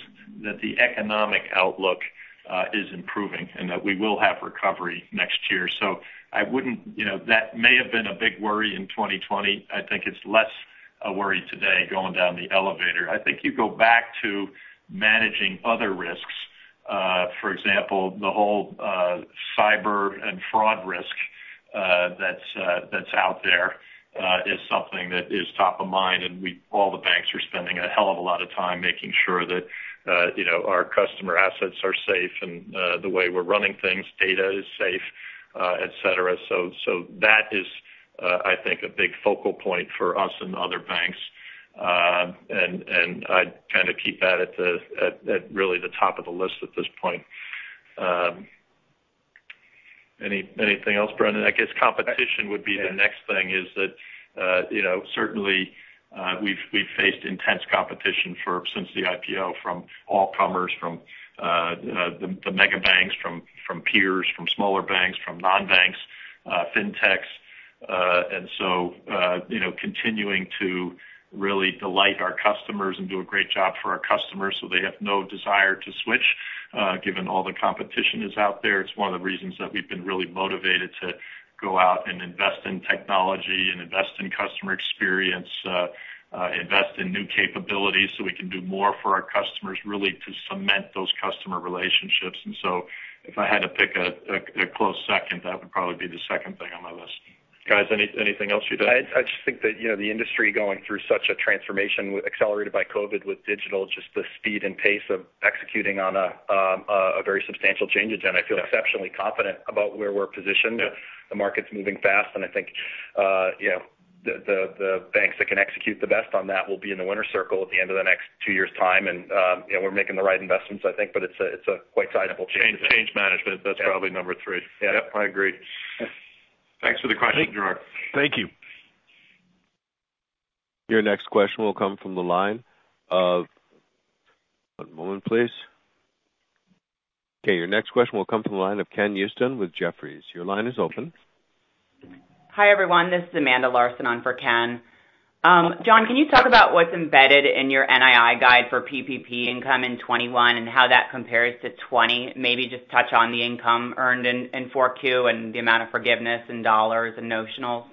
that the economic outlook is improving and that we will have recovery next year. That may have been a big worry in 2020. I think it's less a worry today going down the elevator. I think you go back to managing other risks. For example, the whole cyber and fraud risk that's out there is something that is top of mind. All the banks are spending a hell of a lot of time making sure that our customer assets are safe and the way we're running things, data is safe, et cetera. That is I think a big focal point for us and other banks. I'd kind of keep that at really the top of the list at this point. Anything else, Brendan? I guess competition would be the next thing is that certainly we've faced intense competition since the IPO from all comers, from the mega banks, from peers, from smaller banks, from non-banks, fintechs. Continuing to really delight our customers and do a great job for our customers so they have no desire to switch given all the competition is out there. It's one of the reasons that we've been really motivated to go out and invest in technology and invest in customer experience, invest in new capabilities so we can do more for our customers really to cement those customer relationships. If I had to pick a close second, that would probably be the second thing on my list. Guys, anything else you'd add? I just think that the industry going through such a transformation accelerated by COVID with digital, just the speed and pace of executing on a very substantial change agenda. I feel exceptionally confident about where we're positioned. Yeah. The market's moving fast, and I think the banks that can execute the best on that will be in the winner's circle at the end of the next two years' time. We're making the right investments, I think, but it's a quite sizable change. Change management, that's probably number three. Yeah. I agree. Thanks for the question, Gerard. Thank you. Okay, your next question will come from the line of Ken Usdin with Jefferies. Hi, everyone. This is Amanda Larsen on for Ken. John, can you talk about what's embedded in your NII guide for PPP income in 2021 and how that compares to 2020? Maybe just touch on the income earned in 4Q and the amount of forgiveness in dollars and notionals.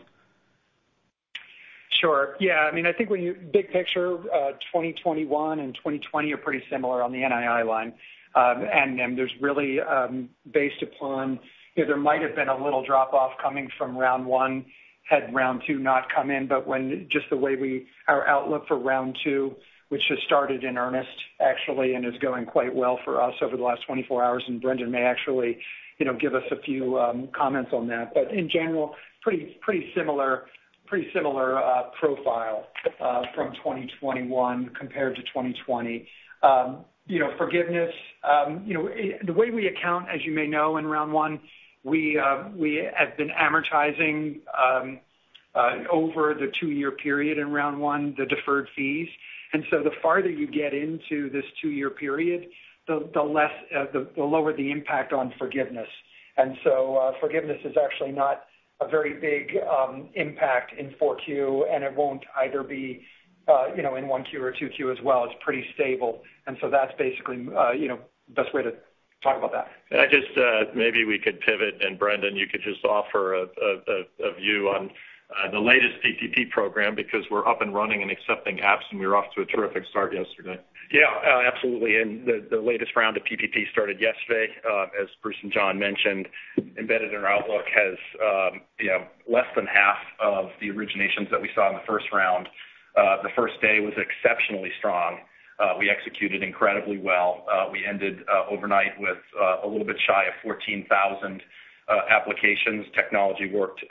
Sure. Yeah. I think big picture, 2021 and 2020 are pretty similar on the NII line. There's really based upon there might have been a little drop off coming from Round 1 had Round 2 not come in. Just the way our outlook for Round 2, which has started in earnest actually and is going quite well for us over the last 24 hours. Brendan may actually give us a few comments on that. In general, pretty similar profile from 2021 compared to 2020. Forgiveness. The way we account, as you may know, in Round 1, we have been amortizing over the two-year period in Round 1, the deferred fees. The farther you get into this two-year period, the lower the impact on forgiveness. Forgiveness is actually not a very big impact in 4Q, and it won't either be in 1Q or 2Q as well. It's pretty stable. That's basically the best way to talk about that. Maybe we could pivot and Brendan, you could just offer a view on the latest PPP program because we're up and running and accepting apps, and we were off to a terrific start yesterday. Yeah, absolutely. The latest round of PPP started yesterday. As Bruce and John mentioned, embedded in our outlook has less than half of the originations that we saw in the first round. The first day was exceptionally strong. We executed incredibly well. We ended overnight with a little bit shy of 14,000 applications. Technology worked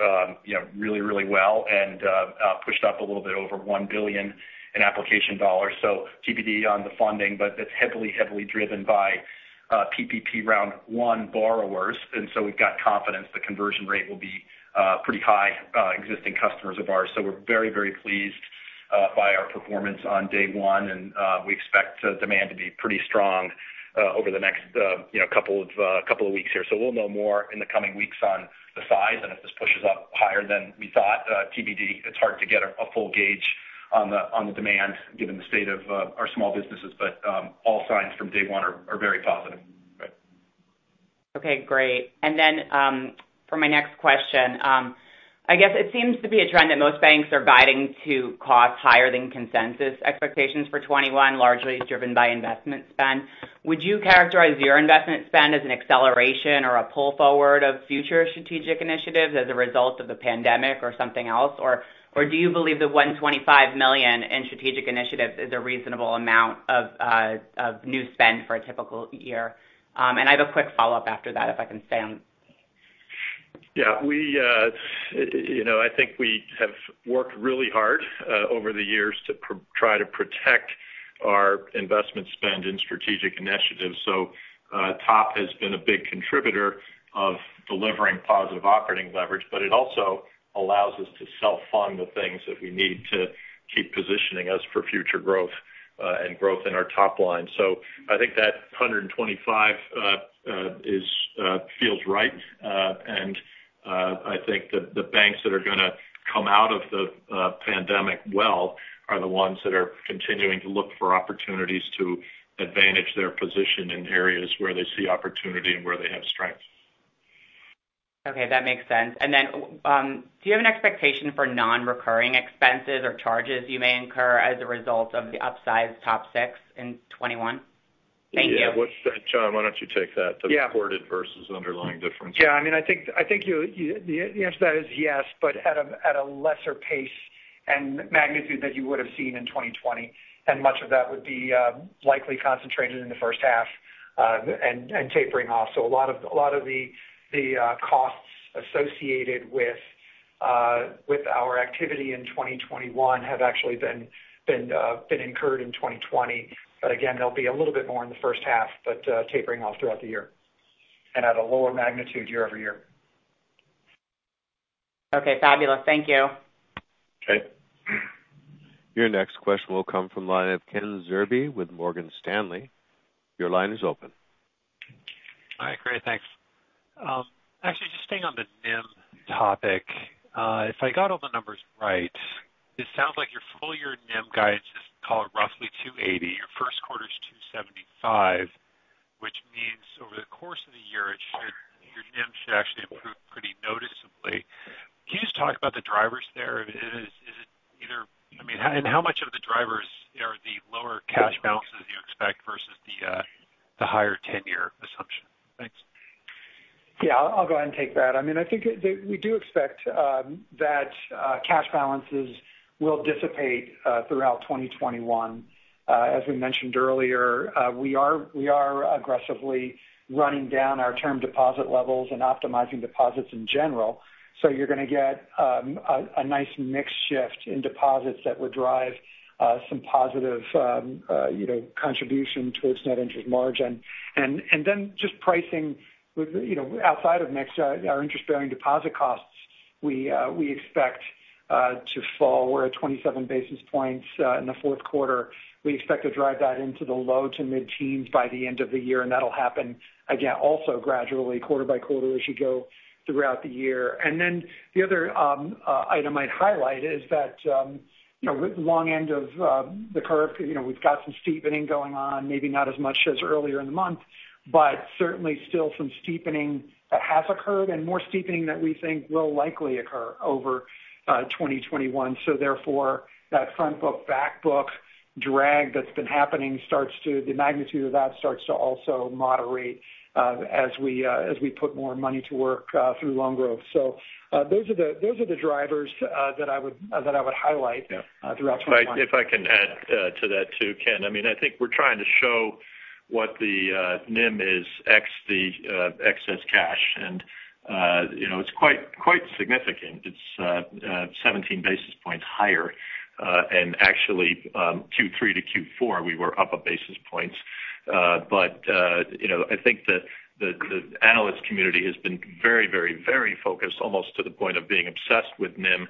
really well and pushed up a little bit over $1 billion in application dollars. TBD on the funding. That's heavily driven by PPP Round 1 borrowers. We've got confidence the conversion rate will be pretty high existing customers of ours. We're very pleased by our performance on day one, we expect demand to be pretty strong over the next couple of weeks here. We'll know more in the coming weeks on the size. If this pushes up higher than we thought, TBD. It's hard to get a full gauge on the demand given the state of our small businesses. All signs from day one are very positive. Right. Okay, great. For my next question. I guess it seems to be a trend that most banks are guiding to cost higher than consensus expectations for 2021, largely driven by investment spend. Would you characterize your investment spend as an acceleration or a pull forward of future strategic initiatives as a result of the pandemic or something else? Do you believe the $125 million in strategic initiatives is a reasonable amount of new spend for a typical year? I have a quick follow-up after that, if I can stay on. Yeah. I think we have worked really hard over the years to try to protect our investment spend in strategic initiatives. TOP has been a big contributor of delivering positive operating leverage, but it also allows us to self-fund the things that we need to keep positioning us for future growth and growth in our top line. I think that $125 million feels right. I think that the banks that are going to come out of the pandemic well are the ones that are continuing to look for opportunities to advantage their position in areas where they see opportunity and where they have strength. Okay, that makes sense. Then do you have an expectation for non-recurring expenses or charges you may incur as a result of the upsized TOP 6 in 2021? Thank you. Yeah. John, why don't you take that? Yeah. The recorded versus underlying difference. Yeah. I think the answer to that is yes, but at a lesser pace and magnitude that you would've seen in 2020. Much of that would be likely concentrated in the first half and tapering off. A lot of the costs associated with our activity in 2021 have actually been incurred in 2020. Again, there'll be a little bit more in the first half, but tapering off throughout the year and at a lower magnitude year-over-year. Okay, fabulous. Thank you. Okay. Your next question will come from the line of Ken Zerbe with Morgan Stanley. Your line is open. Hi. Great, thanks. Actually just staying on the NIM topic. If I got all the numbers right, it sounds like your full year NIM guidance is, call it, roughly 2.80%. Your first quarter's 2.75%, which means over the course of the year, your NIM should actually improve pretty noticeably. Can you just talk about the drivers there? How much of the drivers are the lower cash balances you expect versus the higher tenure assumption? Thanks. I'll go ahead and take that. I think that we do expect that cash balances will dissipate throughout 2021. As we mentioned earlier, we are aggressively running down our term deposit levels and optimizing deposits in general. You're going to get a nice mix shift in deposits that would drive some positive contribution towards net interest margin. Just pricing outside of mix, our interest-bearing deposit costs we expect to fall. We're at 27 basis points in the fourth quarter. We expect to drive that into the low to mid-teens by the end of the year. That'll happen again also gradually quarter by quarter as you go throughout the year. The other item I'd highlight is that with the long end of the curve, we've got some steepening going on, maybe not as much as earlier in the month, but certainly still some steepening that has occurred and more steepening that we think will likely occur over 2021. Therefore, that front book, back book drag that's been happening, the magnitude of that starts to also moderate as we put more money to work through loan growth. Those are the drivers that I would highlight- Yeah.... throughout 2021. If I can add to that too, Ken. I think we're trying to show what the NIM is, X the excess cash. It's quite significant. It's 17 basis points higher. Actually, Q3 to Q4, we were up a basis point. I think that the analyst community has been very focused almost to the point of being obsessed with NIM.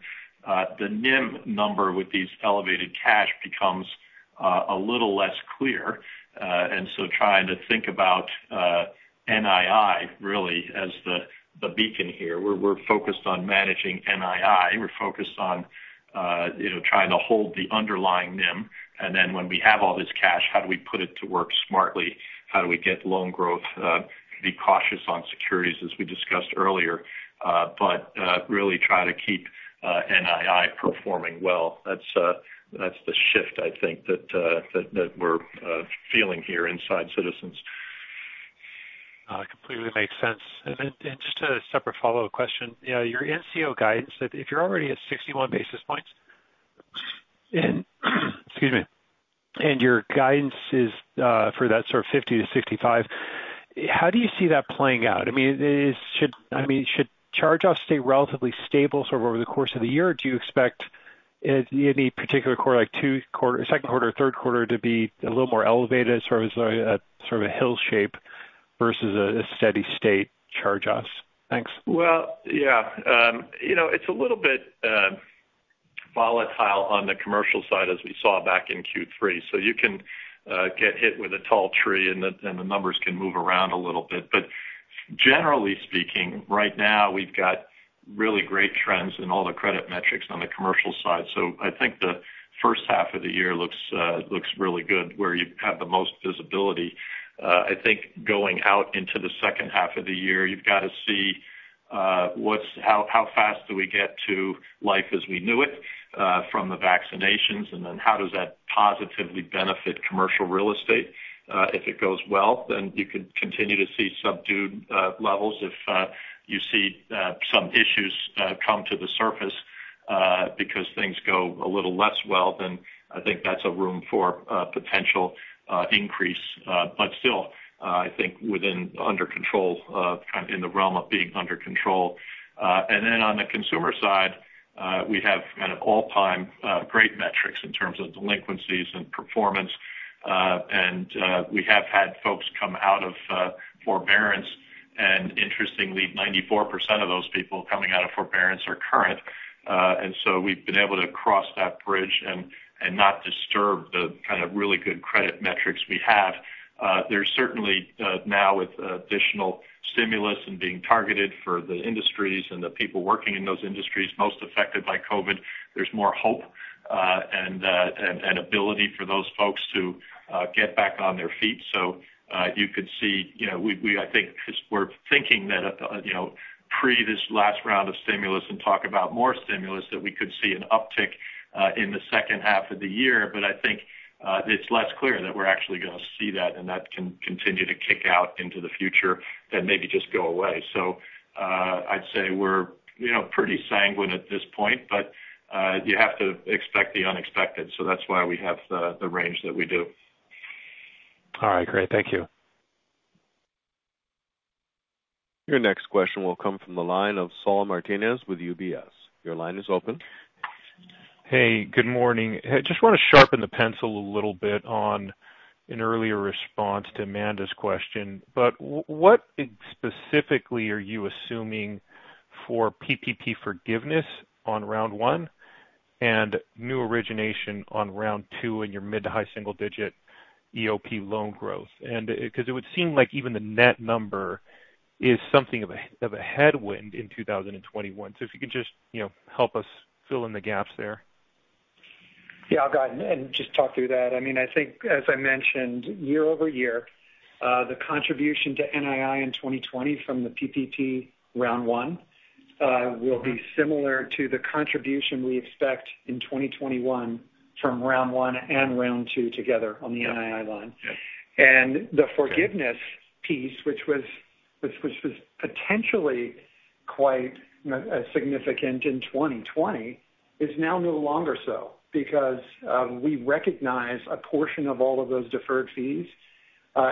The NIM number with these elevated cash becomes a little less clear. Trying to think about NII really as the beacon here. We're focused on managing NII. We're focused on trying to hold the underlying NIM. When we have all this cash, how do we put it to work smartly? How do we get loan growth? Be cautious on securities, as we discussed earlier. Really try to keep NII performing well. That's the shift I think that we're feeling here inside Citizens. Completely makes sense. Just a separate follow-up question. Your NCO guidance, if you're already at 61 basis points, your guidance is for that sort of 50-65 basis points, how do you see that playing out? Should charge-offs stay relatively stable over the course of the year? Do you expect any particular quarter, like second quarter or third quarter, to be a little more elevated, sort of a hill shape versus a steady-state charge-offs? Thanks. Yeah. It's a little bit volatile on the commercial side as we saw back in Q3. You can get hit with a tall tree and the numbers can move around a little bit. Generally speaking, right now we've got really great trends in all the credit metrics on the commercial side. I think the first half of the year looks really good where you have the most visibility. I think going out into the second half of the year, you've got to see how fast do we get to life as we knew it from the vaccinations, and then how does that positively benefit commercial real estate? If it goes well, you could continue to see subdued levels. If you see some issues come to the surface because things go a little less well, I think that's a room for potential increase. I think under control, kind of in the realm of being under control. On the consumer side, we have kind of all-time great metrics in terms of delinquencies and performance. We have had folks come out of forbearance, and interestingly, 94% of those people coming out of forbearance are current. We've been able to cross that bridge and not disturb the kind of really good credit metrics we had. There's certainly now with additional stimulus and being targeted for the industries and the people working in those industries most affected by COVID, there's more hope and ability for those folks to get back on their feet. You could see, I think because we're thinking that pre this last round of stimulus and talk about more stimulus, that we could see an uptick in the second half of the year. I think it's less clear that we're actually going to see that and that can continue to kick out into the future than maybe just go away. I'd say we're pretty sanguine at this point, but you have to expect the unexpected. That's why we have the range that we do. All right. Great. Thank you. Your next question will come from the line of Saul Martinez with UBS. Your line is open. Hey, good morning. I just want to sharpen the pencil a little bit on an earlier response to Amanda's question. What specifically are you assuming for PPP forgiveness on Round 1 and new origination on Round 2 in your mid-to-high single-digit EOP loan growth? Because it would seem like even the net number is something of a headwind in 2021. If you could just help us fill in the gaps there. I'll go ahead and just talk through that. I think as I mentioned, year-over-year, the contribution to NII in 2020 from the PPP Round 1 will be similar to the contribution we expect in 2021 from Round 1 and Round 2 together on the NII line. Yes. The forgiveness piece, which was potentially quite significant in 2020, is now no longer so because we recognize a portion of all of those deferred fees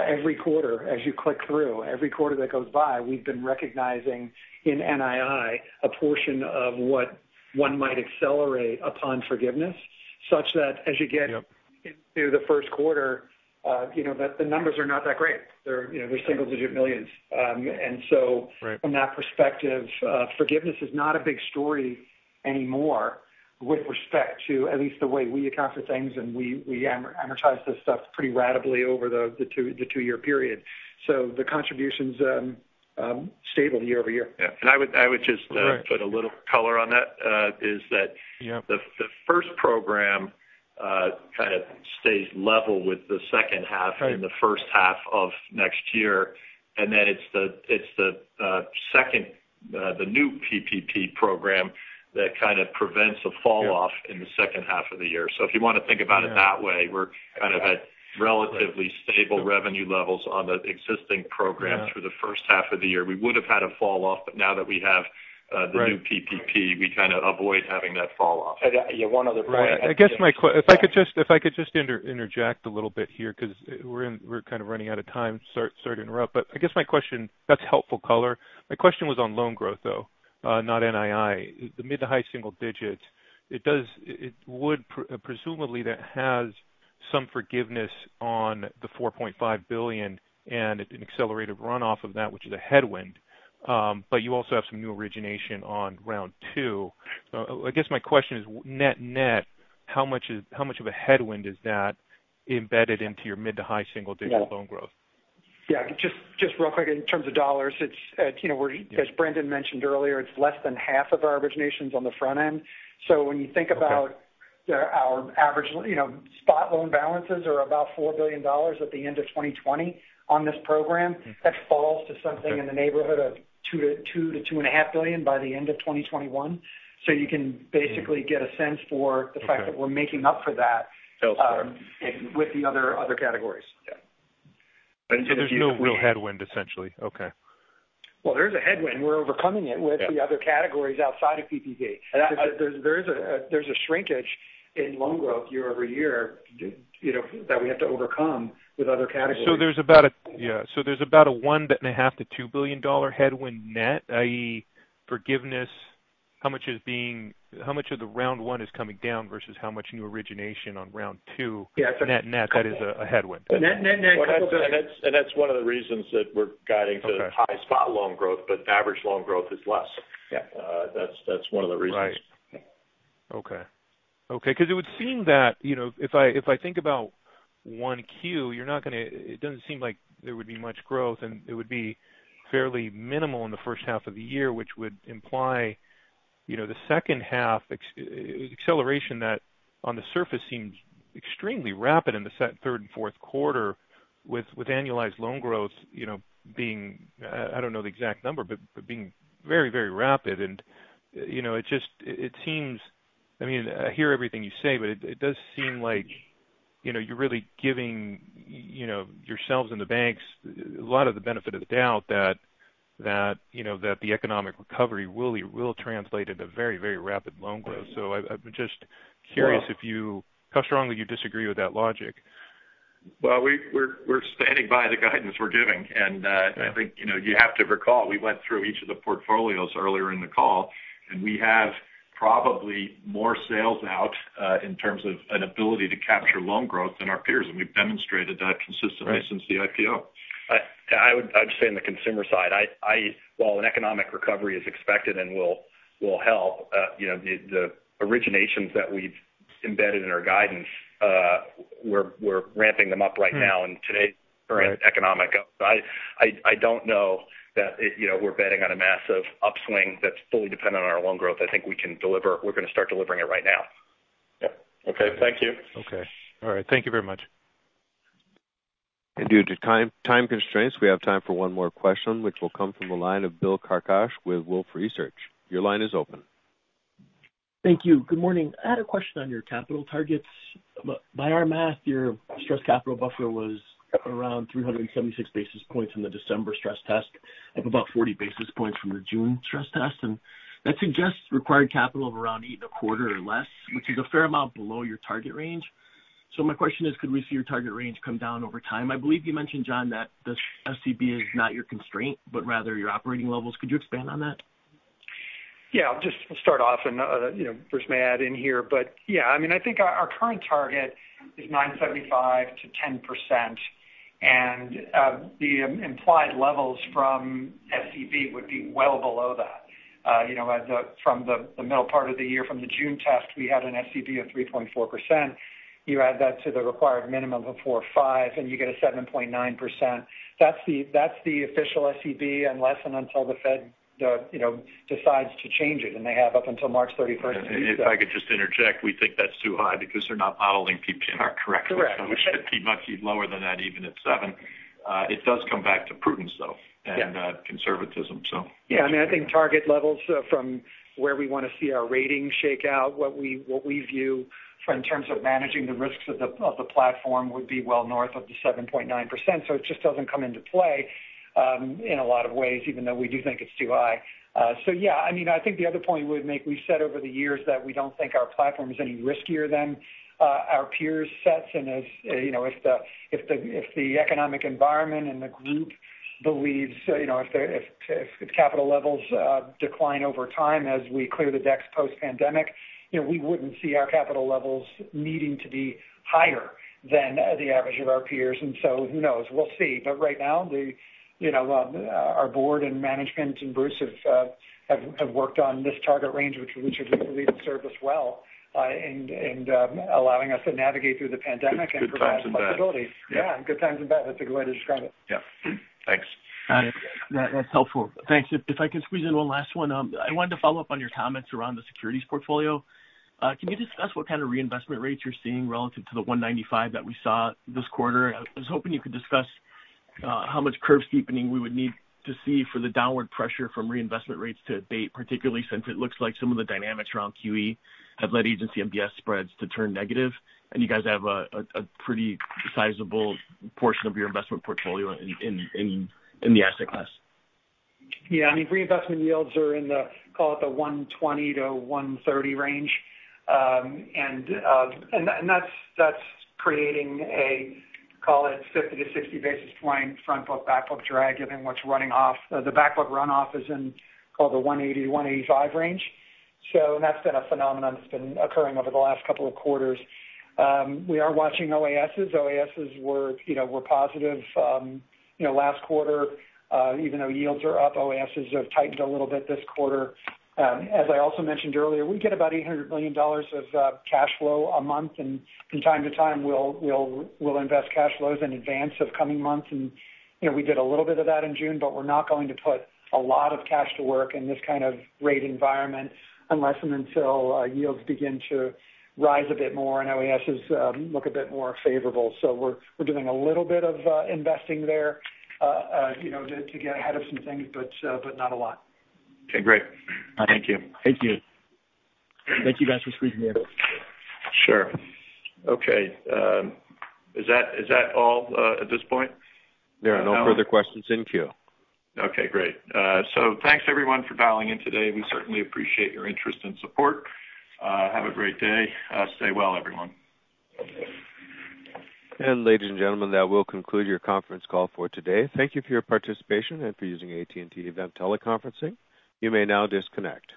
every quarter as you click through. Every quarter that goes by, we've been recognizing in NII a portion of what one might accelerate upon forgiveness. Yep. As you get into the first quarter, the numbers are not that great. They're single-digit millions. Right. From that perspective, forgiveness is not a big story anymore with respect to at least the way we account for things, and we amortize this stuff pretty ratably over the two-year period. The contribution's stable year-over-year. Yeah. Right. I would just put a little color on that. Yep. The first program kind of stays level with the second half- Right.... and the first half of next year. It's the new PPP program that kind of prevents a falloff- Yeah.... in the second half of the year. If you want to think about it that way, we're kind of at relatively stable revenue levels on the existing program- Yeah.... through the first half of the year. We would have had a falloff, but now that we have- Right.... the new PPP, we kind of avoid having that falloff. Yeah, one other point- Right. If I could just interject a little bit here because we're kind of running out of time. Sorry to interrupt. That's helpful color. My question was on loan growth, though, not NII. The mid to high single digits, presumably that has some forgiveness on the $4.5 billion and an accelerated runoff of that, which is a headwind. You also have some new origination on Round 2. I guess my question is net-net, how much of a headwind is that embedded into your mid to high-single-digit loan growth? Yeah. Just real quick in terms of dollars, as Brendan mentioned earlier, it's less than half of our originations on the front end. Okay. When you think about our average spot loan balances are about $4 billion at the end of 2020 on this program. That falls to something in the neighborhood of $2 billion-$2.5 billion by the end of 2021. You can basically get a sense for the fact that we're making up for that- Tails, sorry.... with the other categories. Yeah. There's no real headwind essentially. Okay. Well, there's a headwind. We're overcoming it with the other categories outside of PPP. There's a shrinkage in loan growth year-over-year that we have to overcome with other categories. Yeah. There's about a $1.5 billion-$2 billion headwind net, i.e., forgiveness. How much of the Round 1 is coming down versus how much new origination on Round 2? Yeah. For net-net, that is a headwind. Net-net- That's one of the reasons that we're guiding to- Okay.... high-spot loan growth, but the average loan growth is less. Yeah. That's one of the reasons. Right. Okay. It would seem that, if I think about 1Q, it doesn't seem like there would be much growth, and it would be fairly minimal in the first half of the year, which would imply the second half acceleration that on the surface seems extremely rapid in the third and fourth quarter with annualized loan growth being, I don't know the exact number, but being very, very rapid. I hear everything you say, but it does seem like you're really giving yourselves and the banks a lot of the benefit of the doubt that the economic recovery will translate into very, very rapid loan growth. I'm just curious how strongly you disagree with that logic. Well, we're standing by the guidance we're giving, and I think you have to recall, we went through each of the portfolios earlier in the call, and we have probably more sales out in terms of an ability to capture loan growth than our peers, and we've demonstrated that consistently since the IPO. I would say on the consumer side, while an economic recovery is expected and will help, the originations that we've embedded in our guidance, we're ramping them up right now in today's current economic. I don't know that we're betting on a massive upswing that's fully dependent on our loan growth. I think we're going to start delivering it right now. Yeah. Okay. Thank you. Okay. All right. Thank you very much. Due to time constraints, we have time for one more question, which will come from the line of Bill Carcache with Wolfe Research. Your line is open. Thank you. Good morning. I had a question on your capital targets. By our math, your Stress Capital Buffer was around 376 basis points in the December stress test, up about 40 basis points from the June stress test. That suggests required capital of around 8.25% or less, which is a fair amount below your target range. My question is, could we see your target range come down over time? I believe you mentioned, John, that the SCB is not your constraint, but rather your operating levels. Could you expand on that? Yeah. I'll start off and Bruce may add in here, but yeah, I think our current target is 9.75%-10%, and the implied levels from SCB would be well below that. From the middle part of the year from the June test, we had an SCB of 3.4%. You add that to the required minimum of 4.5% and you get a 7.9%. That's the official SCB unless and until the Fed decides to change it, and they have up until March 31st. If I could just interject, we think that's too high because they're not modeling PPNR correctly. Correct. We should be much lower than that, even at seven. It does come back to prudence, though. Yeah. Conservatism. Yeah, I think target levels from where we want to see our ratings shake out, what we view in terms of managing the risks of the platform would be well north of the 7.9%. It just doesn't come into play in a lot of ways, even though we do think it's too high. Yeah, I think the other point we would make, we've said over the years that we don't think our platform is any riskier than our peers' sets. If the economic environment and the group believes if capital levels decline over time as we clear the decks post-pandemic, we wouldn't see our capital levels needing to be higher than the average of our peers. Who knows? We'll see. Right now, our board and management and Bruce have worked on this target range, which we believe will serve us well in allowing us to navigate through the pandemic and provide some flexibility. Good times and bad. Yeah, in good times and bad. That's a good way to describe it. Yeah. Thanks. That's helpful. Thanks. If I can squeeze in one last one. I wanted to follow up on your comments around the securities portfolio. Can you discuss what kind of reinvestment rates you're seeing relative to the 1.95% that we saw this quarter? I was hoping you could discuss how much curve steepening we would need to see for the downward pressure from reinvestment rates to date, particularly since it looks like some of the dynamics around QE have led agency MBS spreads to turn negative. You guys have a pretty sizable portion of your investment portfolio in the asset class. Yeah. Reinvestment yields are in the, call it the 120-130 basis points range. That's creating a, call it 50-60 basis points front book, back book drag given what's running off. The back book runoff is in, call the 180-185 basis points range. That's been a phenomenon that's been occurring over the last couple of quarters. We are watching OASs. OASs were positive last quarter. Even though yields are up, OASs have tightened a little bit this quarter. As I also mentioned earlier, we get about $800 million of cash flow a month, and from time to time, we'll invest cash flows in advance of coming months, and we did a little bit of that in June, but we're not going to put a lot of cash to work in this kind of rate environment unless and until yields begin to rise a bit more and OASs look a bit more favorable. We're doing a little bit of investing there to get ahead of some things, but not a lot. Okay, great. Thank you. Thank you. Thank you guys for squeezing me in. Sure. Okay. Is that all at this point? There are no further questions in queue. Okay, great. Thanks everyone for dialing in today. We certainly appreciate your interest and support. Have a great day. Stay well, everyone. And ladies and gentlemen, that will conclude your conference call for today. Thank you for your participation and for using AT&T Event Teleconferencing. You may now disconnect.